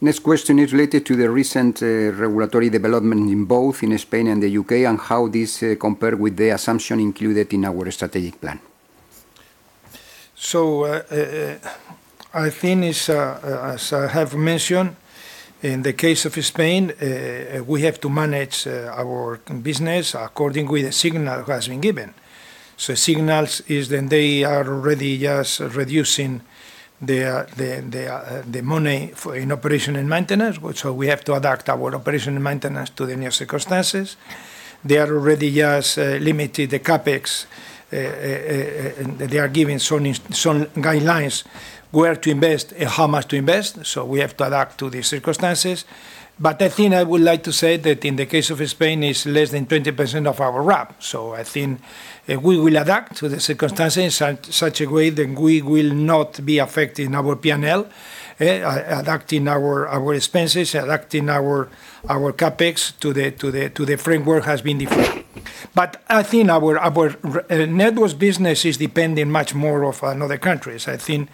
Speaker 1: Next question is related to the recent regulatory development in both in Spain and the U.K., and how this compare with the assumption included in our strategic plan.
Speaker 2: I think it's, as I have mentioned, in the case of Spain, we have to manage our business according with the signal that has been given. Signals is then they are already just reducing their, the money for in operation and maintenance, which so we have to adapt our operation and maintenance to the new circumstances. They are already just limiting the CapEx. They are giving certain guidelines where to invest and how much to invest, so we have to adapt to the circumstances. I think I would like to say that in the case of Spain, it's less than 20% of our RAB, so I think we will adapt to the circumstances in such a way that we will not be affected in our PNL. Adapting our expenses, adapting our CapEx to the framework has been different. I think our networks business is depending much more of another countries. I think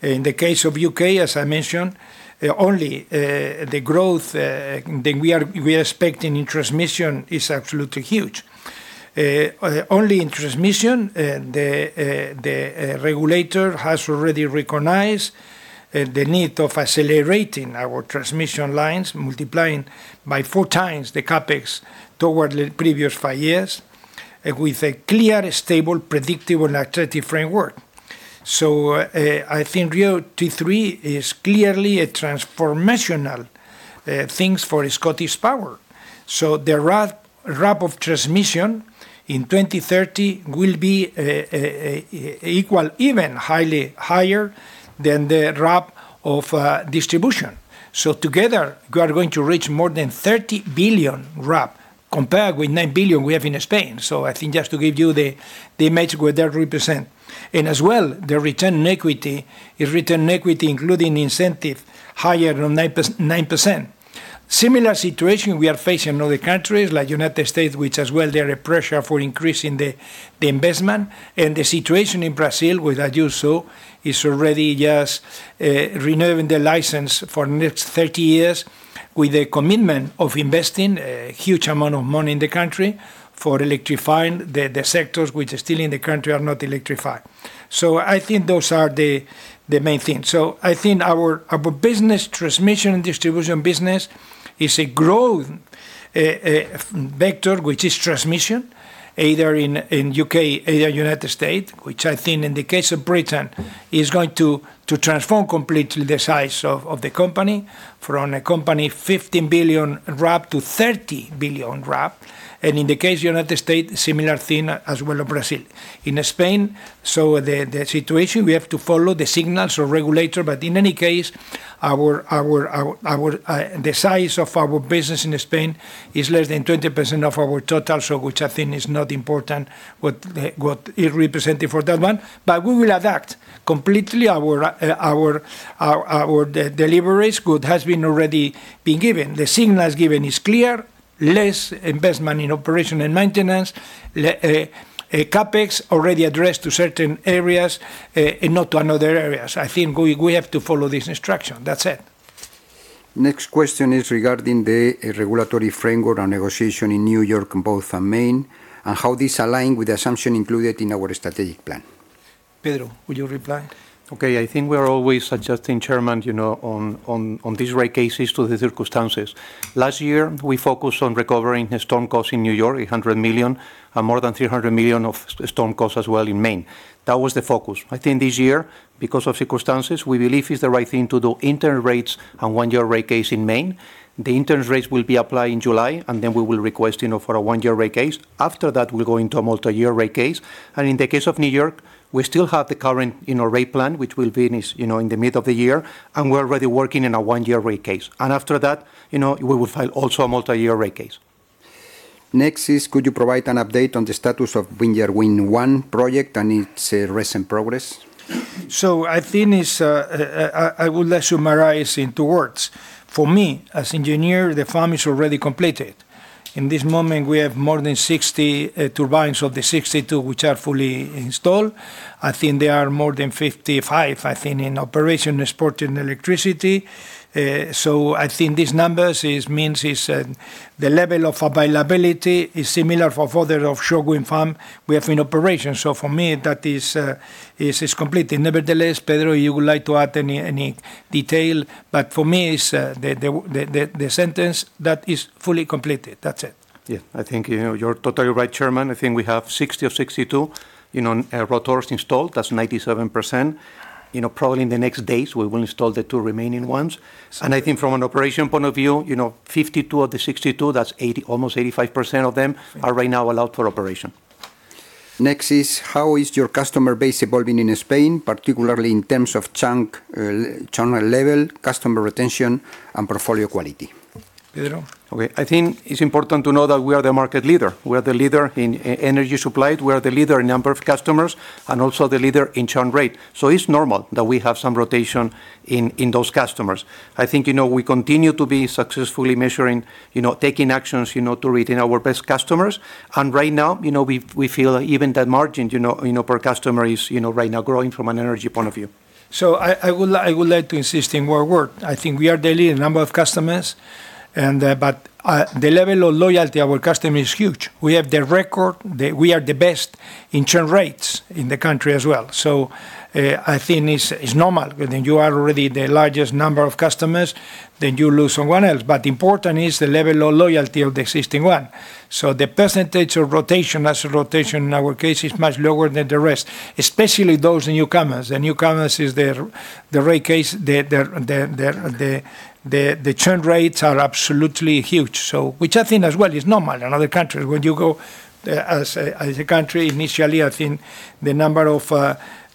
Speaker 2: in the case of U.K., as I mentioned, only the growth that we are expecting in transmission is absolutely huge. Only in transmission, the regulator has already recognized the need of accelerating our transmission lines, multiplying by 4x the CapEx toward the previous five years, with a clear, stable, predictable and attractive framework. I think RIIO-T3 is clearly a transformational things for ScottishPower. The RAB of transmission in 2030 will be equal, even highly higher than the RAB of distribution. Together, we are going to reach more than 30 billion RAB, compared with 9 billion we have in Spain. I think just to give you the image what that represent. As well, the return in equity, including the incentive, higher than 9%. Similar situation we are facing in other countries, like United States, which as well, there are pressure for increasing the investment. The situation in Brazil with um aditivo is already just renewing the license for next 30 years, with a commitment of investing a huge amount of money in the country for electrifying the sectors which are still in the country are not electrified. I think those are the main things. I think our business, transmission and distribution business, is a growth vector, which is transmission, either in U.K., either United States, which I think in the case of Britain, is going to transform completely the size of the company, from a company 15 billion RAB to 30 billion RAB. In the case United States, similar thing as well of Brazil. In Spain, the situation, we have to follow the signals of regulator, but in any case, our the size of our business in Spain is less than 20% of our total. Which I think is not important, what is represented for that one. We will adapt completely our deliveries, what has been already been given. The signals given is clear: less investment in operation and maintenance, a CapEx already addressed to certain areas, and not to another areas. I think we have to follow this instruction. That's it.
Speaker 1: Next question is regarding the regulatory framework and negotiation in New York, both and Maine, and how this align with the assumption included in our strategic plan.
Speaker 2: Pedro, will you reply?
Speaker 4: Okay, I think we are always adjusting, chairman, you know, on these rate cases to the circumstances. Last year, we focused on recovering the storm costs in New York, $100 million, and more than $300 million of storm costs as well in Maine. That was the focus. I think this year, because of circumstances, we believe it's the right thing to do interim rates and 1-year rate case in Maine. The interim rates will be applied in July, then we will request, you know, for a 1-year rate case. After that, we'll go into a multi-year rate case. In the case of New York, we still have the current, you know, rate plan, which will be in this, you know, in the middle of the year, and we're already working on a 1-year rate case. After that, you know, we will file also a multi-year rate case.
Speaker 1: Next is: could you provide an update on the status of Vineyard Wind 1 project and its recent progress?
Speaker 2: I think it's, I will summarize in two words. For me, as engineer, the farm is already completed. In this moment, we have more than 60 turbines of the 62, which are fully installed. I think there are more than 55, I think, in operation, exporting electricity. I think these numbers means the level of availability is similar for further offshore wind farm we have in operation. For me, that is completed. Nevertheless, Pedro, you would like to add any detail? For me, it's the sentence, that is fully completed. That's it.
Speaker 4: Yeah. I think you're totally right, Chairman. I think we have 60 of 62, you know, rotors installed. That's 97%. ...you know, probably in the next days, we will install the two remaining ones. I think from an operation point of view, you know, 52 of the 62, that's 80%, almost 85% of them, are right now allowed for operation.
Speaker 1: Next is: how is your customer base evolving in Spain, particularly in terms of churn, channel level, customer retention, and portfolio quality?
Speaker 2: Pedro?
Speaker 4: Okay. I think it's important to know that we are the market leader. We are the leader in energy supply, we are the leader in number of customers, and also the leader in churn rate. It's normal that we have some rotation in those customers. I think, you know, we continue to be successfully measuring, you know, taking actions, you know, to retain our best customers. Right now, you know, we feel even that margin, you know, you know, per customer is, you know, right now growing from an energy point of view.
Speaker 2: I would like to insist in more work. I think we are the lead in number of customers, the level of loyalty of our customer is huge. We have the record. We are the best in churn rates in the country as well. I think it's normal, when you are already the largest number of customers, then you lose someone else. Important is the level of loyalty of the existing one. The percentage of rotation, as rotation in our case, is much lower than the rest, especially those newcomers. The newcomers is the rare case, the churn rates are absolutely huge. Which I think as well is normal in other countries. When you go as a country, initially, I think the number of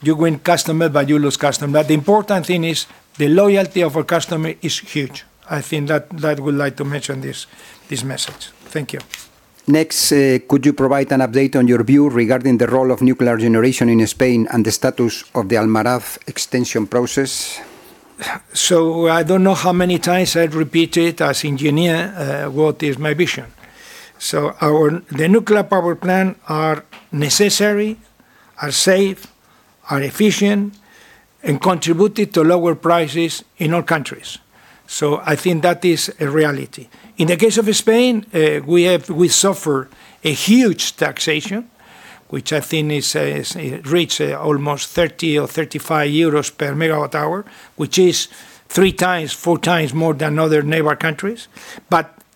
Speaker 2: you win customer, but you lose customer. The important thing is the loyalty of a customer is huge. I think that we'd like to mention this message. Thank you.
Speaker 1: could you provide an update on your view regarding the role of nuclear generation in Spain and the status of the Almaraz extension process?
Speaker 2: I don't know how many times I've repeated, as engineer, what is my vision. The nuclear power plant are necessary, are safe, are efficient, and contributed to lower prices in all countries. I think that is a reality. In the case of Spain, we suffer a huge taxation, which I think is, reach almost 30 or 35 euros per megawatt hour, which is 3x, 4x more than other neighbor countries.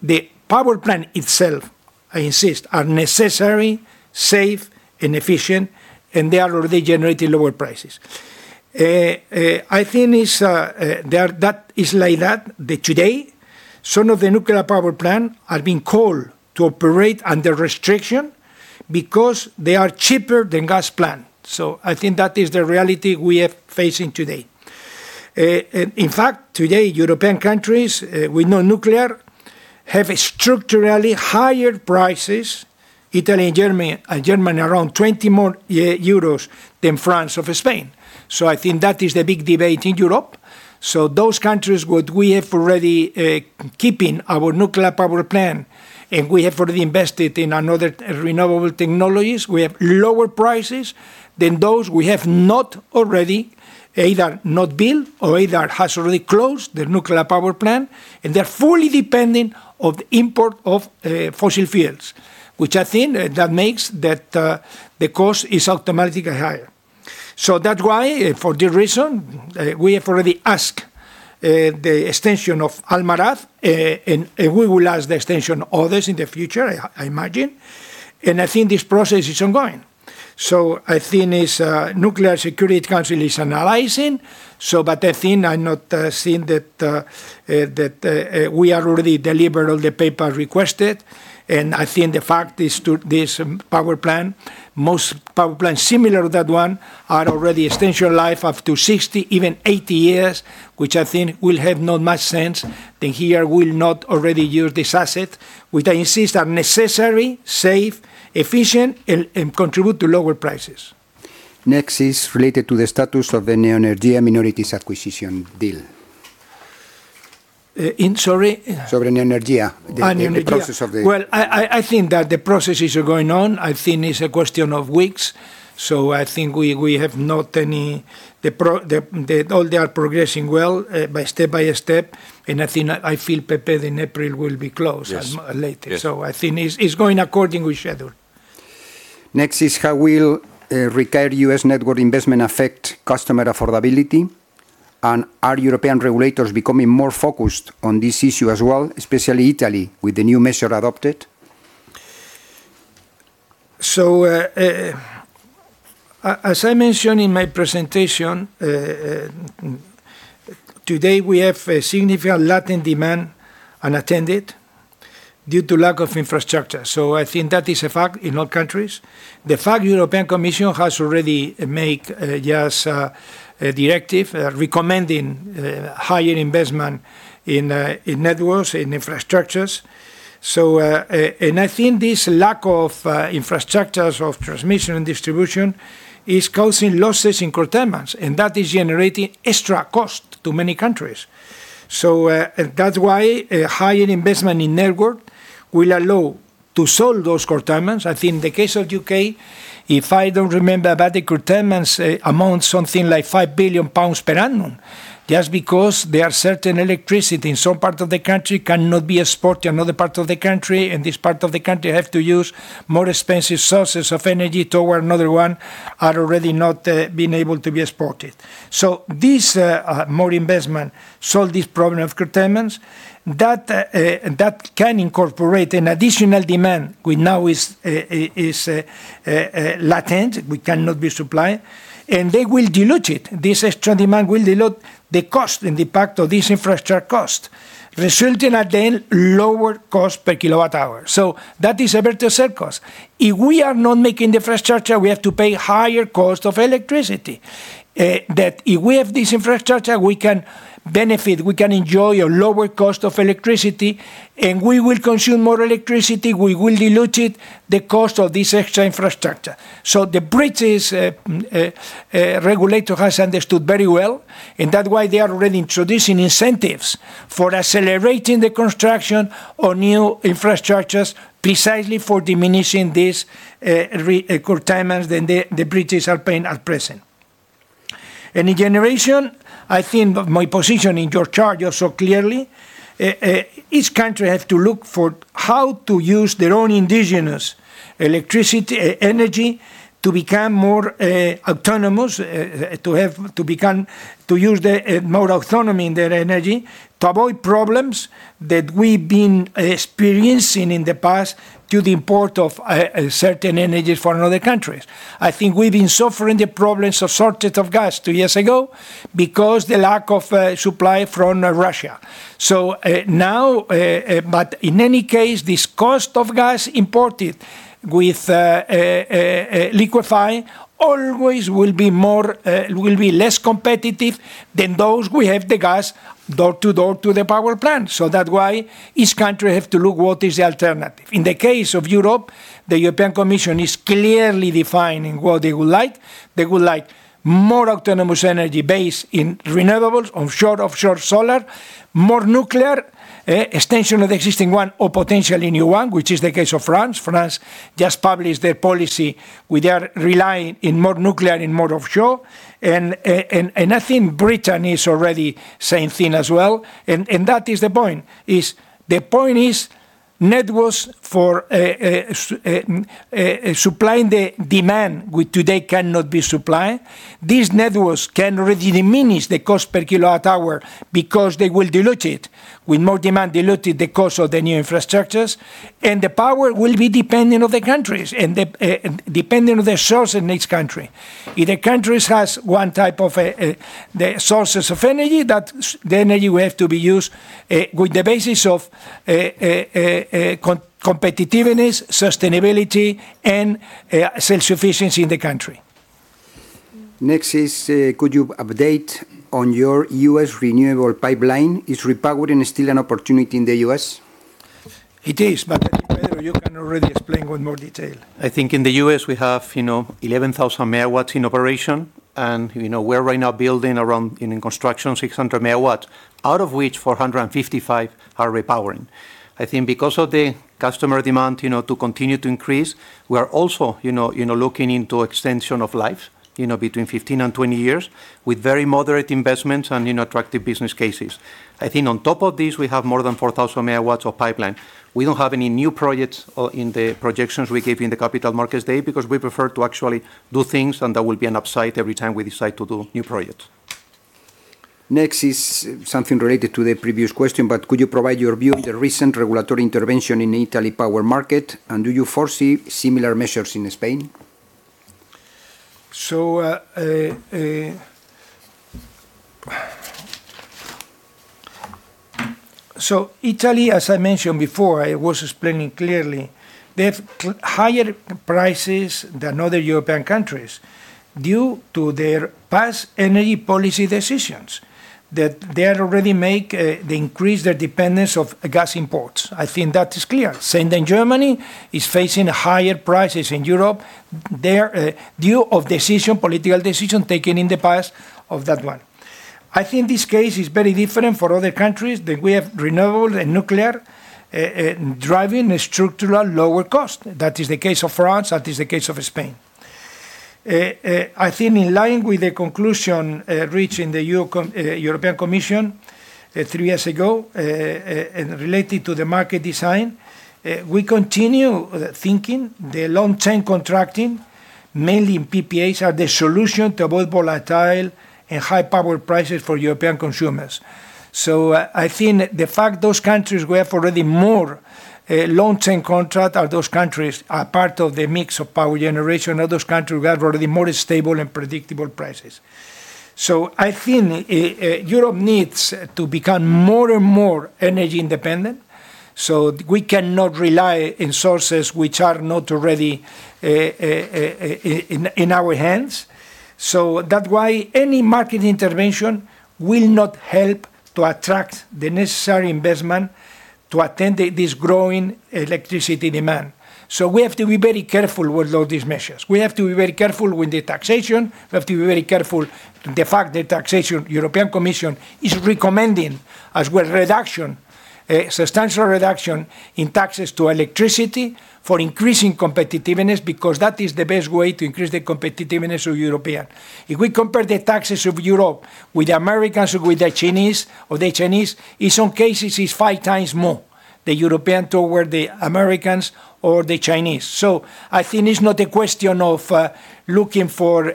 Speaker 2: The power plant itself, I insist, are necessary, safe, and efficient, and they are already generating lower prices. I think it's that is like that today, some of the nuclear power plant are being called to operate under restriction because they are cheaper than gas plant. I think that is the reality we are facing today. In fact, today, European countries with no nuclear have structurally higher prices. Italy and Germany around 20 more EUR than France or for Spain. I think that is the big debate in Europe. Those countries, what we have already keeping our nuclear power plant, and we have already invested in another renewable technologies, we have lower prices than those we have not already, either not built or either has already closed the nuclear power plant, and they're fully dependent on the import of fossil fuels, which I think that makes that the cost is automatically higher. That's why, for this reason, we have already asked the extension of Almaraz, and we will ask the extension others in the future, I imagine. I think this process is ongoing. I think this Nuclear Safety Council is analyzing. I think I not seen that we have already delivered all the paper requested. I think the fact is to this power plant, most power plants similar to that one, are already extension life up to 60, even 80 years, which I think will have not much sense, here will not already use this asset, which I insist, are necessary, safe, efficient, and contribute to lower prices.
Speaker 1: Next is related to the status of the Neoenergia minorities acquisition deal.
Speaker 2: Sorry?
Speaker 1: Sovereign Energy.
Speaker 2: New Energy.
Speaker 1: The process of.
Speaker 2: Well, I think that the processes are going on. I think it's a question of weeks, so I think we have not any... All they are progressing well, by step by step. I think, I feel prepared in April will be closed-
Speaker 1: Yes...
Speaker 2: as later.
Speaker 1: Yes.
Speaker 2: I think it's going according with schedule.
Speaker 1: Next is: how will, required U.S. network investment affect customer affordability? Are European regulators becoming more focused on this issue as well, especially Italy, with the new measure adopted?
Speaker 2: As I mentioned in my presentation today, we have a significant latent demand unattended due to lack of infrastructure, so I think that is a fact in all countries. The European Commission has already make a directive recommending higher investment in networks, in infrastructures. And I think this lack of infrastructures of transmission and distribution is causing losses in curtailments, and that is generating extra cost to many countries. That's why a higher investment in network will allow to solve those curtailments. I think in the case of U.K., if I don't remember, but the curtailments amount something like 5 billion pounds per annum, just because there are certain electricity in some part of the country cannot be exported to another part of the country, and this part of the country have to use more expensive sources of energy toward another one are already not being able to be exported. This more investment solve this problem of curtailments. That that can incorporate an additional demand, which now is latent, which cannot be supplied, and they will dilute it. This extra demand will dilute the cost and the impact of this infrastructure cost, resulting, again, lower cost per kWh. That is a better surplus. If we are not making the infrastructure, we have to pay higher cost of electricity. That if we have this infrastructure, we can benefit, we can enjoy a lower cost of electricity, and we will consume more electricity. We will dilute it, the cost of this extra infrastructure. The British regulator has understood very well, and that's why they are already introducing incentives for accelerating the construction of new infrastructures, precisely for diminishing this curtailments than the British are paying at present. In generation, I think my position in your chart also clearly, each country have to look for how to use their own indigenous energy to become more autonomous, to use the more autonomy in their energy, to avoid problems that we've been experiencing in the past through the import of certain energies from other countries. I think we've been suffering the problems of shortage of gas 2 years ago because the lack of supply from Russia. In any case, this cost of gas imported with liquefy always will be more, will be less competitive than those who have the gas door-to-door to the power plant. That's why each country have to look what is the alternative. In the case of Europe, the European Commission is clearly defining what they would like. They would like more autonomous energy based in renewables, on shore, offshore solar, more nuclear, extension of existing one or potentially new one, which is the case of France. France just published their policy where they are relying in more nuclear and more offshore, and I think Britain is already same thing as well. That is the point, is. The point is networks for supplying the demand which today cannot be supplied, these networks can really diminish the cost per kWh because they will dilute it. With more demand, dilute it, the cost of the new infrastructures, and the power will be dependent on the countries and dependent on the source in each country. If the countries has one type of the sources of energy, that then you have to be used with the basis of competitiveness, sustainability, and self-sufficiency in the country.
Speaker 1: Next is, could you update on your U.S. renewable pipeline? Is repowering still an opportunity in the U.S.?
Speaker 2: It is, but, I think, Pedro, you can already explain with more detail.
Speaker 4: I think in the U.S., we have, you know, 11,000 MW in operation, and, you know, we are right now building around, in construction, 600 MW, out of which 455 are repowering. I think because of the customer demand, you know, to continue to increase, we are also, you know, you know, looking into extension of life, you know, between 15 years and 20 years, with very moderate investments and, you know, attractive business cases. I think on top of this, we have more than 4,000 MW of pipeline. We don't have any new projects in the projections we gave in the Capital Markets Day, because we prefer to actually do things, and that will be an upside every time we decide to do new projects.
Speaker 1: Next is something related to the previous question, but could you provide your view on the recent regulatory intervention in Italy power market, and do you foresee similar measures in Spain?
Speaker 2: Italy, as I mentioned before, I was explaining clearly, they have higher prices than other European countries due to their past energy policy decisions, that they had already make, they increased their dependence of gas imports. I think that is clear. Same than Germany is facing higher prices in Europe there, due of political decision, taken in the past of that one. I think this case is very different for other countries, that we have renewable and nuclear, driving a structural lower cost. That is the case of France. That is the case of Spain. I think in line with the conclusion reached in the European Commission three years ago, and related to the market design, we continue thinking the long-term contracting, mainly in PPAs, are the solution to avoid volatile and high power prices for European consumers. I think the fact those countries who have already more long-term contract are those countries are part of the mix of power generation. Other countries who have already more stable and predictable prices. I think Europe needs to become more and more energy-independent, so we cannot rely in sources which are not already in our hands. That why any market intervention will not help to attract the necessary investment to attend this growing electricity demand. We have to be very careful with all these measures. We have to be very careful with the taxation. We have to be very careful the fact that taxation, European Commission is recommending as well reduction, a substantial reduction in taxes to electricity for increasing competitiveness, because that is the best way to increase the competitiveness of European. If we compare the taxes of Europe with the Americans or with the Chinese, or the Chinese, in some cases it's 5x more, the European toward the Americans or the Chinese. I think it's not a question of looking for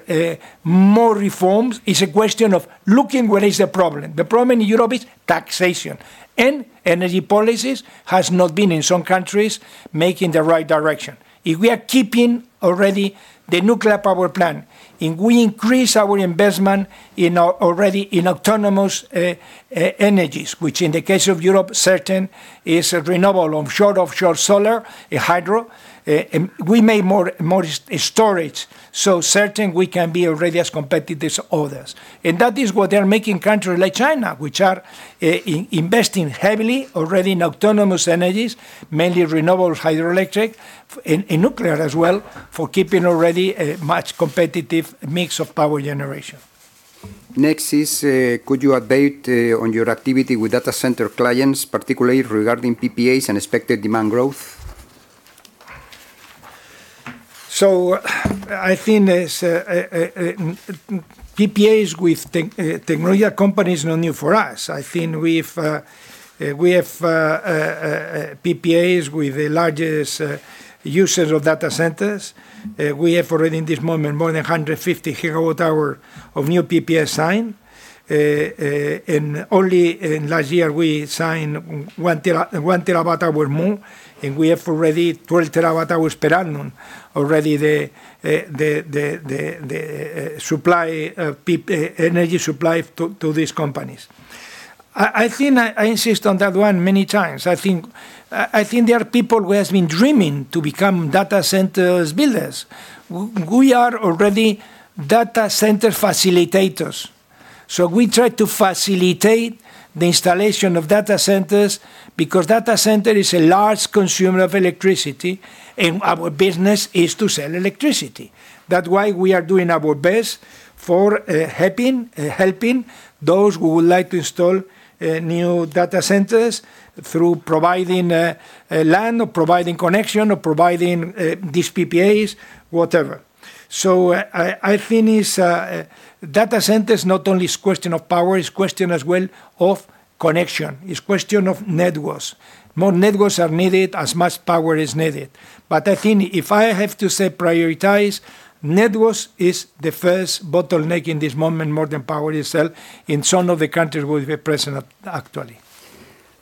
Speaker 2: more reforms, it's a question of looking where is the problem? The problem in Europe is taxation, and energy policies has not been, in some countries, making the right direction. If we are keeping already the nuclear power plant, and we increase our investment in our already in autonomous energies, which in the case of Europe, certain is a renewable, on shore, offshore solar, in hydro, and we make more storage. Certain we can be already as competitive as others. That is what they are making countries like China, which are investing heavily already in autonomous energies, mainly renewable hydroelectric, and nuclear as well, for keeping already a much competitive mix of power generation.
Speaker 1: Next is, could you update on your activity with data center clients, particularly regarding PPAs and expected demand growth?
Speaker 2: I think as PPAs with technology companies is not new for us. I think we've, we have PPAs with the largest users of data centers. We have already in this moment, more than 150 GWh of new PPA signed. Only in last year, we signed 1 TWh more, and we have already 12 TWh per annum, already the supply, energy supply to these companies. I think I insist on that one many times. I think I think there are people who has been dreaming to become data centers builders. We are already data center facilitators. We try to facilitate the installation of data centers, because data center is a large consumer of electricity, and our business is to sell electricity. That's why we are doing our best for helping those who would like to install new data centers through providing land, or providing connection, or providing these PPAs, whatever. I think it's data centers not only is question of power, it's question as well of connection. It's question of networks. More networks are needed, as much power is needed. I think if I have to say prioritize, networks is the first bottleneck in this moment, more than power itself in some of the countries we are present actually.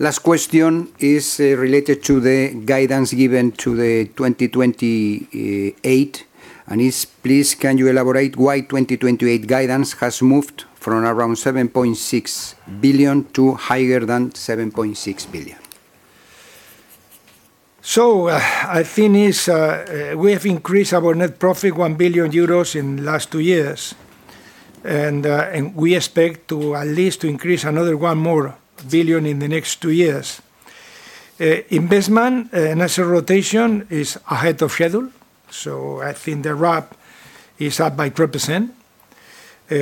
Speaker 1: Last question is, related to the guidance given to the 2028, and is, please, can you elaborate why 2028 guidance has moved from around 7.6 billion to higher than 7.6 billion?
Speaker 2: I think is, we have increased our net profit 1 billion euros in last two years. We expect to at least to increase another 1 billion in the next two years. Investment and asset rotation is ahead of schedule, so I think the RAB is up by 10%.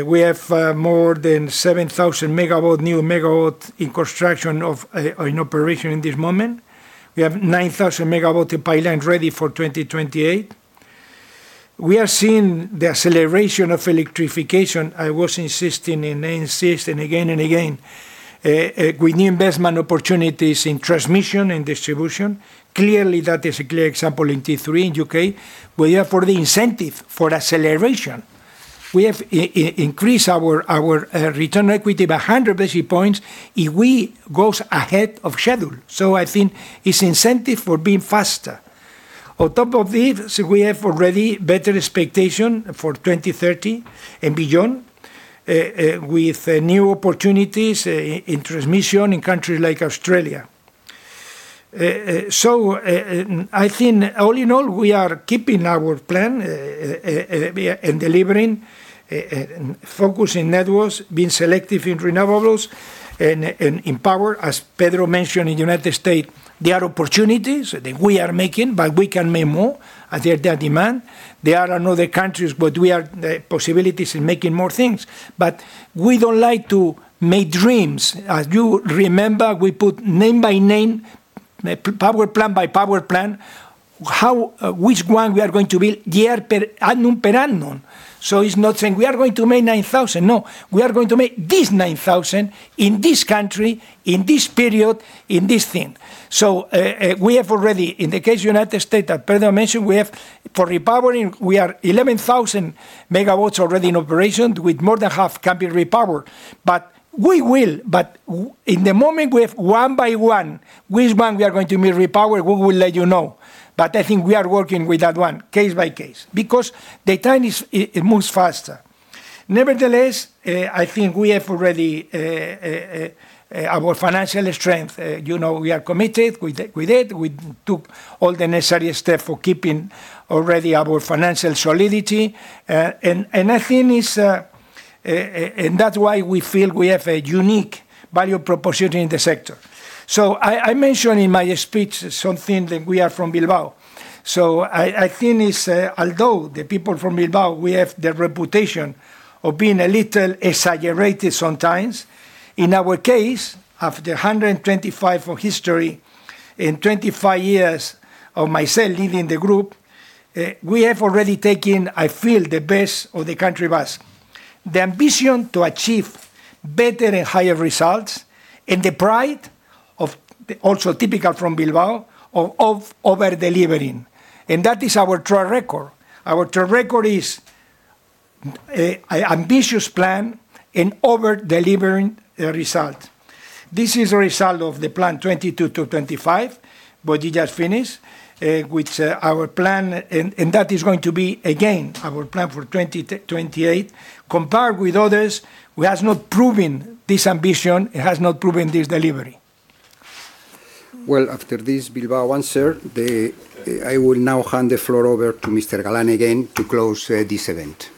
Speaker 2: We have more than 7,000 MW, new megawatt in construction of or in operation in this moment. We have 9,000 MW in pipeline ready for 2028. We are seeing the acceleration of electrification. I was insisting, and I insist, and again and again, we need investment opportunities in transmission and distribution. Clearly, that is a clear example in T3 in U.K., where therefore the incentive for acceleration. We have increased our return on equity by 100 basis points if we goes ahead of schedule. I think it's incentive for being faster. On top of this, we have already better expectation for 2030 and beyond with new opportunities in transmission in countries like Australia. I think all in all, we are keeping our plan and delivering focusing networks, being selective in renewables, and in power. As Pedro mentioned, in United States, there are opportunities that we are making, but we can make more as there are demand. There are another countries, but we are possibilities in making more things. We don't like to make dreams. As you remember, we put name by name, power plant by power plant, how which one we are going to build year per annum per annum. It's not saying, "We are going to make 9,000." No, we are going to make this 9,000, in this country, in this period, in this thing. We have already, in the case United States, as Pedro mentioned, we have for repowering, we are 11,000 MW already in operation, with more than half can be repowered. In the moment, we have one by one, which one we are going to be repowered, we will let you know. I think we are working with that one case by case, because the time is, it moves faster. Nevertheless, I think we have already our financial strength, you know, we are committed with it. We took all the necessary step for keeping already our financial solidity. I think. That's why we feel we have a unique value proposition in the sector. I mentioned in my speech something that we are from Bilbao. I think is, although the people from Bilbao, we have the reputation of being a little exaggerated sometimes, in our case, after 125 of history and 25 years of myself leading the group, we have already taken, I feel, the best of the country of us. The ambition to achieve better and higher results, and the pride of, also typical from Bilbao, of over-delivering, and that is our track record. Our track record is a ambitious plan and over-delivering result. This is a result of the plan 2022-2025, it just finished, which our plan, and that is going to be, again, our plan for 2028. Compared with others, who has not proven this ambition and has not proven this delivery.
Speaker 1: Well, after this Bilbao answer, I will now hand the floor over to Mr. Galán again to close this event.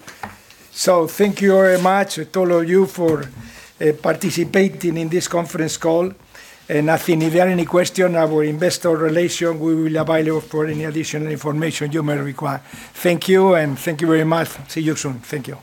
Speaker 2: Thank you very much to all of you for participating in this conference call. I think if you have any question, our investor relation, we will available for any additional information you may require. Thank you, and thank you very much. See you soon. Thank you.